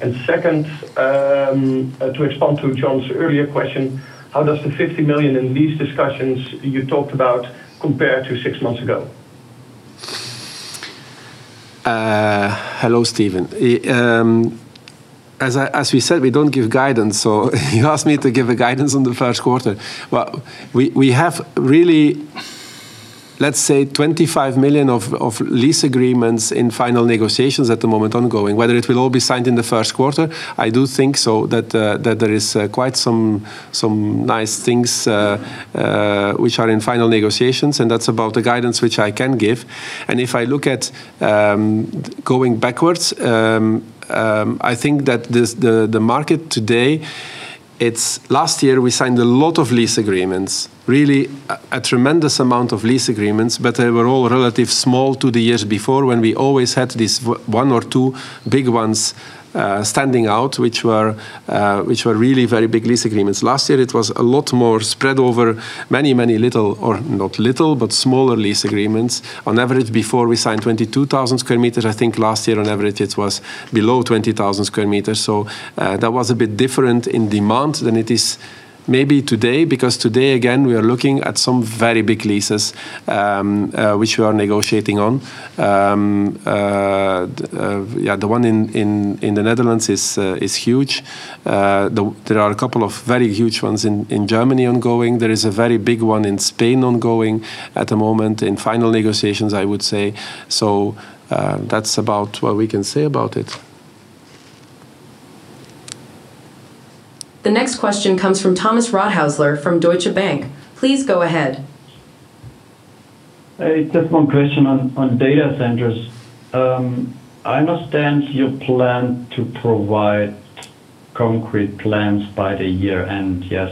And second, to expand to John's earlier question, how does the 50 million in lease discussions you talked about compare to six months ago? Hello, Steven. As we said, we don't give guidance, so you asked me to give a guidance on the first quarter. Well, we have really, let's say, 25 million of lease agreements in final negotiations at the moment ongoing. Whether it will all be signed in the first quarter, I do think so, that there is quite some nice things which are in final negotiations, and that's about the guidance which I can give. If I look at going backwards, I think that this. The market today, it's. Last year, we signed a lot of lease agreements, really a tremendous amount of lease agreements, but they were all relatively small to the years before, when we always had these one or two big ones standing out, which were really very big lease agreements. Last year, it was a lot more spread over many, many little, or not little, but smaller lease agreements. On average, before we signed 22,000 square meters, I think last year on average it was below 20,000 square meters. So, that was a bit different in demand than it is maybe today, because today, again, we are looking at some very big leases which we are negotiating on. Yeah, the one in the Netherlands is huge. There are a couple of very huge ones in Germany ongoing. There is a very big one in Spain ongoing at the moment, in final negotiations, I would say. So, that's about what we can say about it. The next question comes from Thomas Rothaeusler from Deutsche Bank. Please go ahead. Hey, just one question on data centers. I understand you plan to provide concrete plans by the year-end, yes,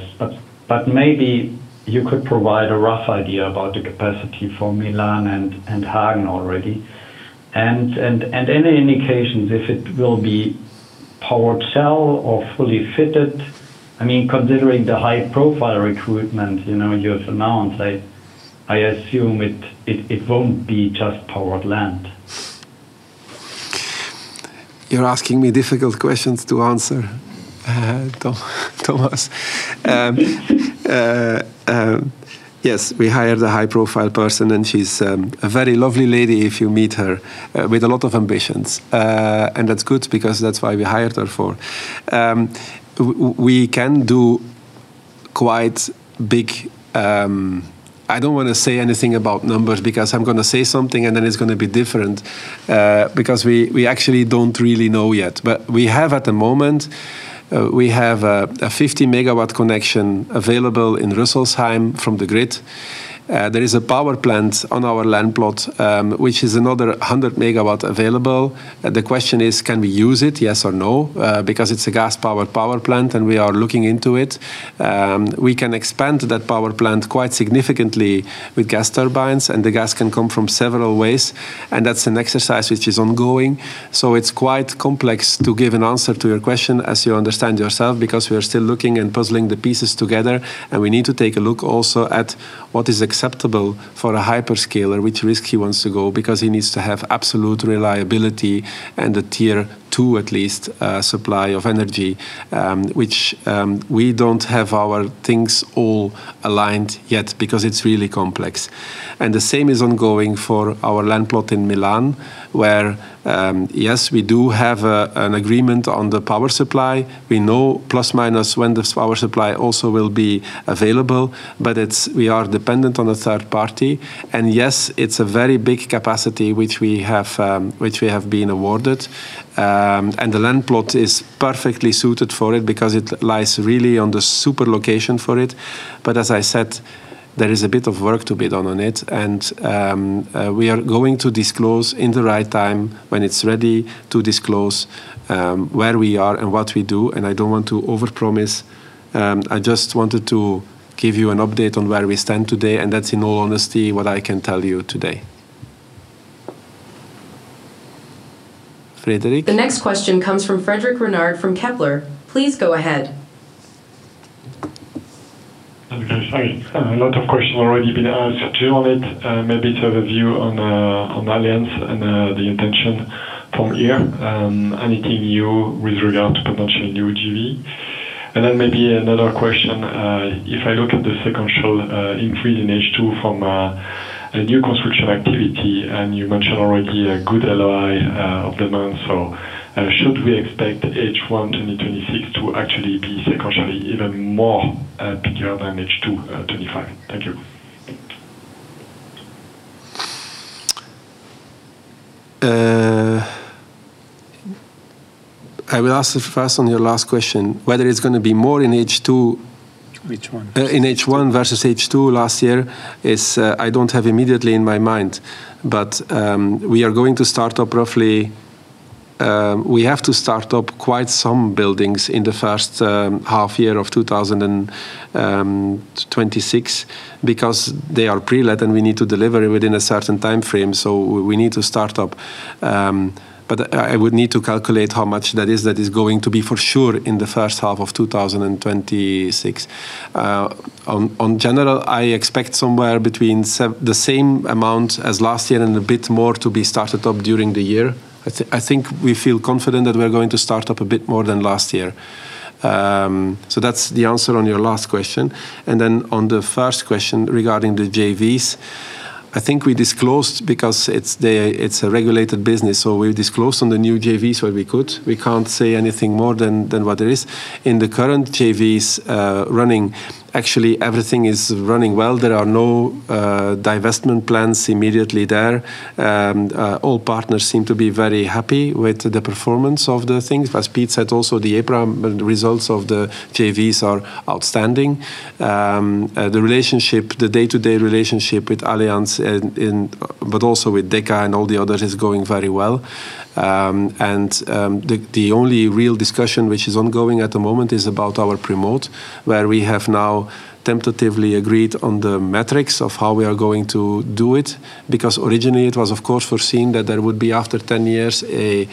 but maybe you could provide a rough idea about the capacity for Milan and Hagen already. And any indications if it will be power shell or fully fitted? I mean, considering the high-profile recruitment, you know, you've announced, I assume it won't be just powered land. You're asking me difficult questions to answer, Tom, Thomas. Yes, we hired a high-profile person, and she's a very lovely lady if you meet her, with a lot of ambitions. And that's good because that's why we hired her for. We can do quite big. I don't want to say anything about numbers, because I'm going to say something, and then it's going to be different, because we actually don't really know yet. But we have at the moment, we have a 50-MW connection available in Rüsselsheim from the grid. There is a power plant on our land plot, which is another 100 MW available. The question is: Can we use it, yes or no? Because it's a gas-powered power plant, and we are looking into it. We can expand that power plant quite significantly with gas turbines, and the gas can come from several ways, and that's an exercise which is ongoing. So it's quite complex to give an answer to your question, as you understand yourself, because we are still looking and puzzling the pieces together, and we need to take a look also at what is acceptable for a hyperscaler, which risk he wants to go, because he needs to have absolute reliability and a tier two, at least, supply of energy, which we don't have our things all aligned yet because it's really complex. The same is ongoing for our land plot in Milan, where yes, we do have an agreement on the power supply. We know plus/minus when the power supply also will be available, but it's. We are dependent on a third party. And yes, it's a very big capacity which we have, which we have been awarded. The land plot is perfectly suited for it because it lies really on the super location for it. But as I said, there is a bit of work to be done on it, and we are going to disclose in the right time, when it's ready to disclose, where we are and what we do, and I don't want to overpromise. I just wanted to give you an update on where we stand today, and that's in all honesty, what I can tell you today. Frédéric? The next question comes from Frédéric Renard from Kepler. Please go ahead. Hi, a lot of questions have already been answered on it. Maybe to have a view on the, on Allianz and, the intention from here. Anything new with regard to potential new JV? And then maybe another question, if I look at the sequential, increase in H2 from, a new construction activity, and you mentioned already a good LOI, of demand, so, should we expect H1 in 2026 to actually be sequentially even more, bigger than H2, 2025? Thank you. I will answer first on your last question. Whether it's going to be more in H2- H1. In H1 versus H2 last year, I don't have immediately in my mind. But we are going to start up roughly. We have to start up quite some buildings in the first half year of 2026, because they are pre-let, and we need to deliver it within a certain time frame. So we need to start up. But I would need to calculate how much that is. That is going to be for sure in the first half of 2026. On general, I expect somewhere between the same amount as last year and a bit more to be started up during the year. I think we feel confident that we're going to start up a bit more than last year. So that's the answer on your last question, and then on the first question regarding the JVs, I think we disclosed because it's the, it's a regulated business, so we've disclosed on the new JVs where we could. We can't say anything more than, than what it is. In the current JVs, running, actually, everything is running well. There are no, divestment plans immediately there. All partners seem to be very happy with the performance of the things. As Piet said, also, the EPRA, results of the JVs are outstanding. The relationship, the day-to-day relationship with Allianz and, and, but also with Deka and all the others, is going very well. And, the only real discussion which is ongoing at the moment is about our promote, where we have now tentatively agreed on the metrics of how we are going to do it. Because originally it was of course foreseen that there would be, after 10 years, a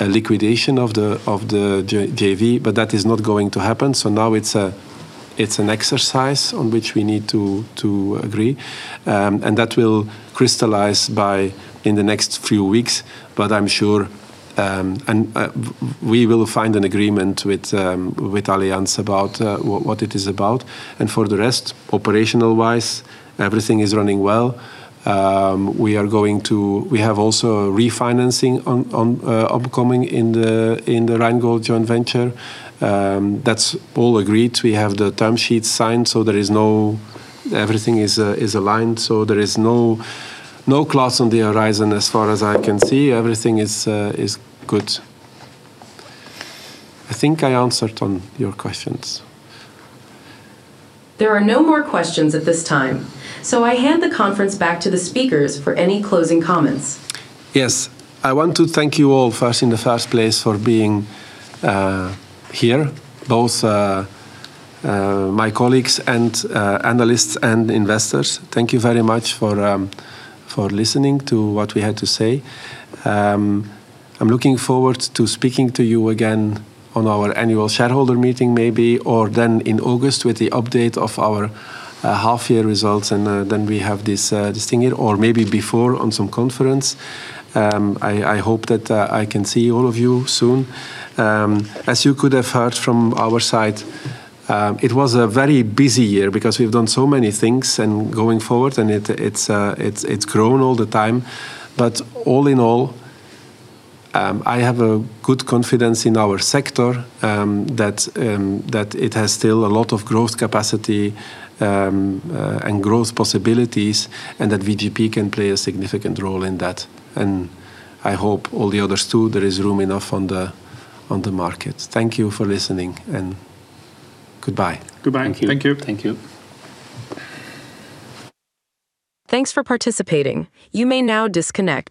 liquidation of the JV, but that is not going to happen. So now it's an exercise on which we need to agree, and that will crystallize by in the next few weeks. But I'm sure. And, we will find an agreement with Allianz about what it is about, and for the rest, operational-wise, everything is running well. We are going to. We have also a refinancing on upcoming in the Rheingold Joint Venture. That's all agreed. We have the term sheets signed, so there is no. Everything is aligned, so there is no clouds on the horizon as far as I can see. Everything is good. I think I answered on your questions. There are no more questions at this time, so I hand the conference back to the speakers for any closing comments. Yes. I want to thank you all first, in the first place, for being here, both my colleagues and analysts and investors. Thank you very much for listening to what we had to say. I'm looking forward to speaking to you again on our annual shareholder meeting, maybe, or then in August with the update of our half-year results, and then we have this thing here or maybe before on some conference. I hope that I can see all of you soon. As you could have heard from our side, it was a very busy year because we've done so many things and going forward, and it's grown all the time. All in all, I have a good confidence in our sector, that it has still a lot of growth capacity, and growth possibilities, and that VGP can play a significant role in that. I hope all the others, too. There is room enough on the market. Thank you for listening, and goodbye. Goodbye. Thank you. Thank you. Thanks for participating. You may now disconnect.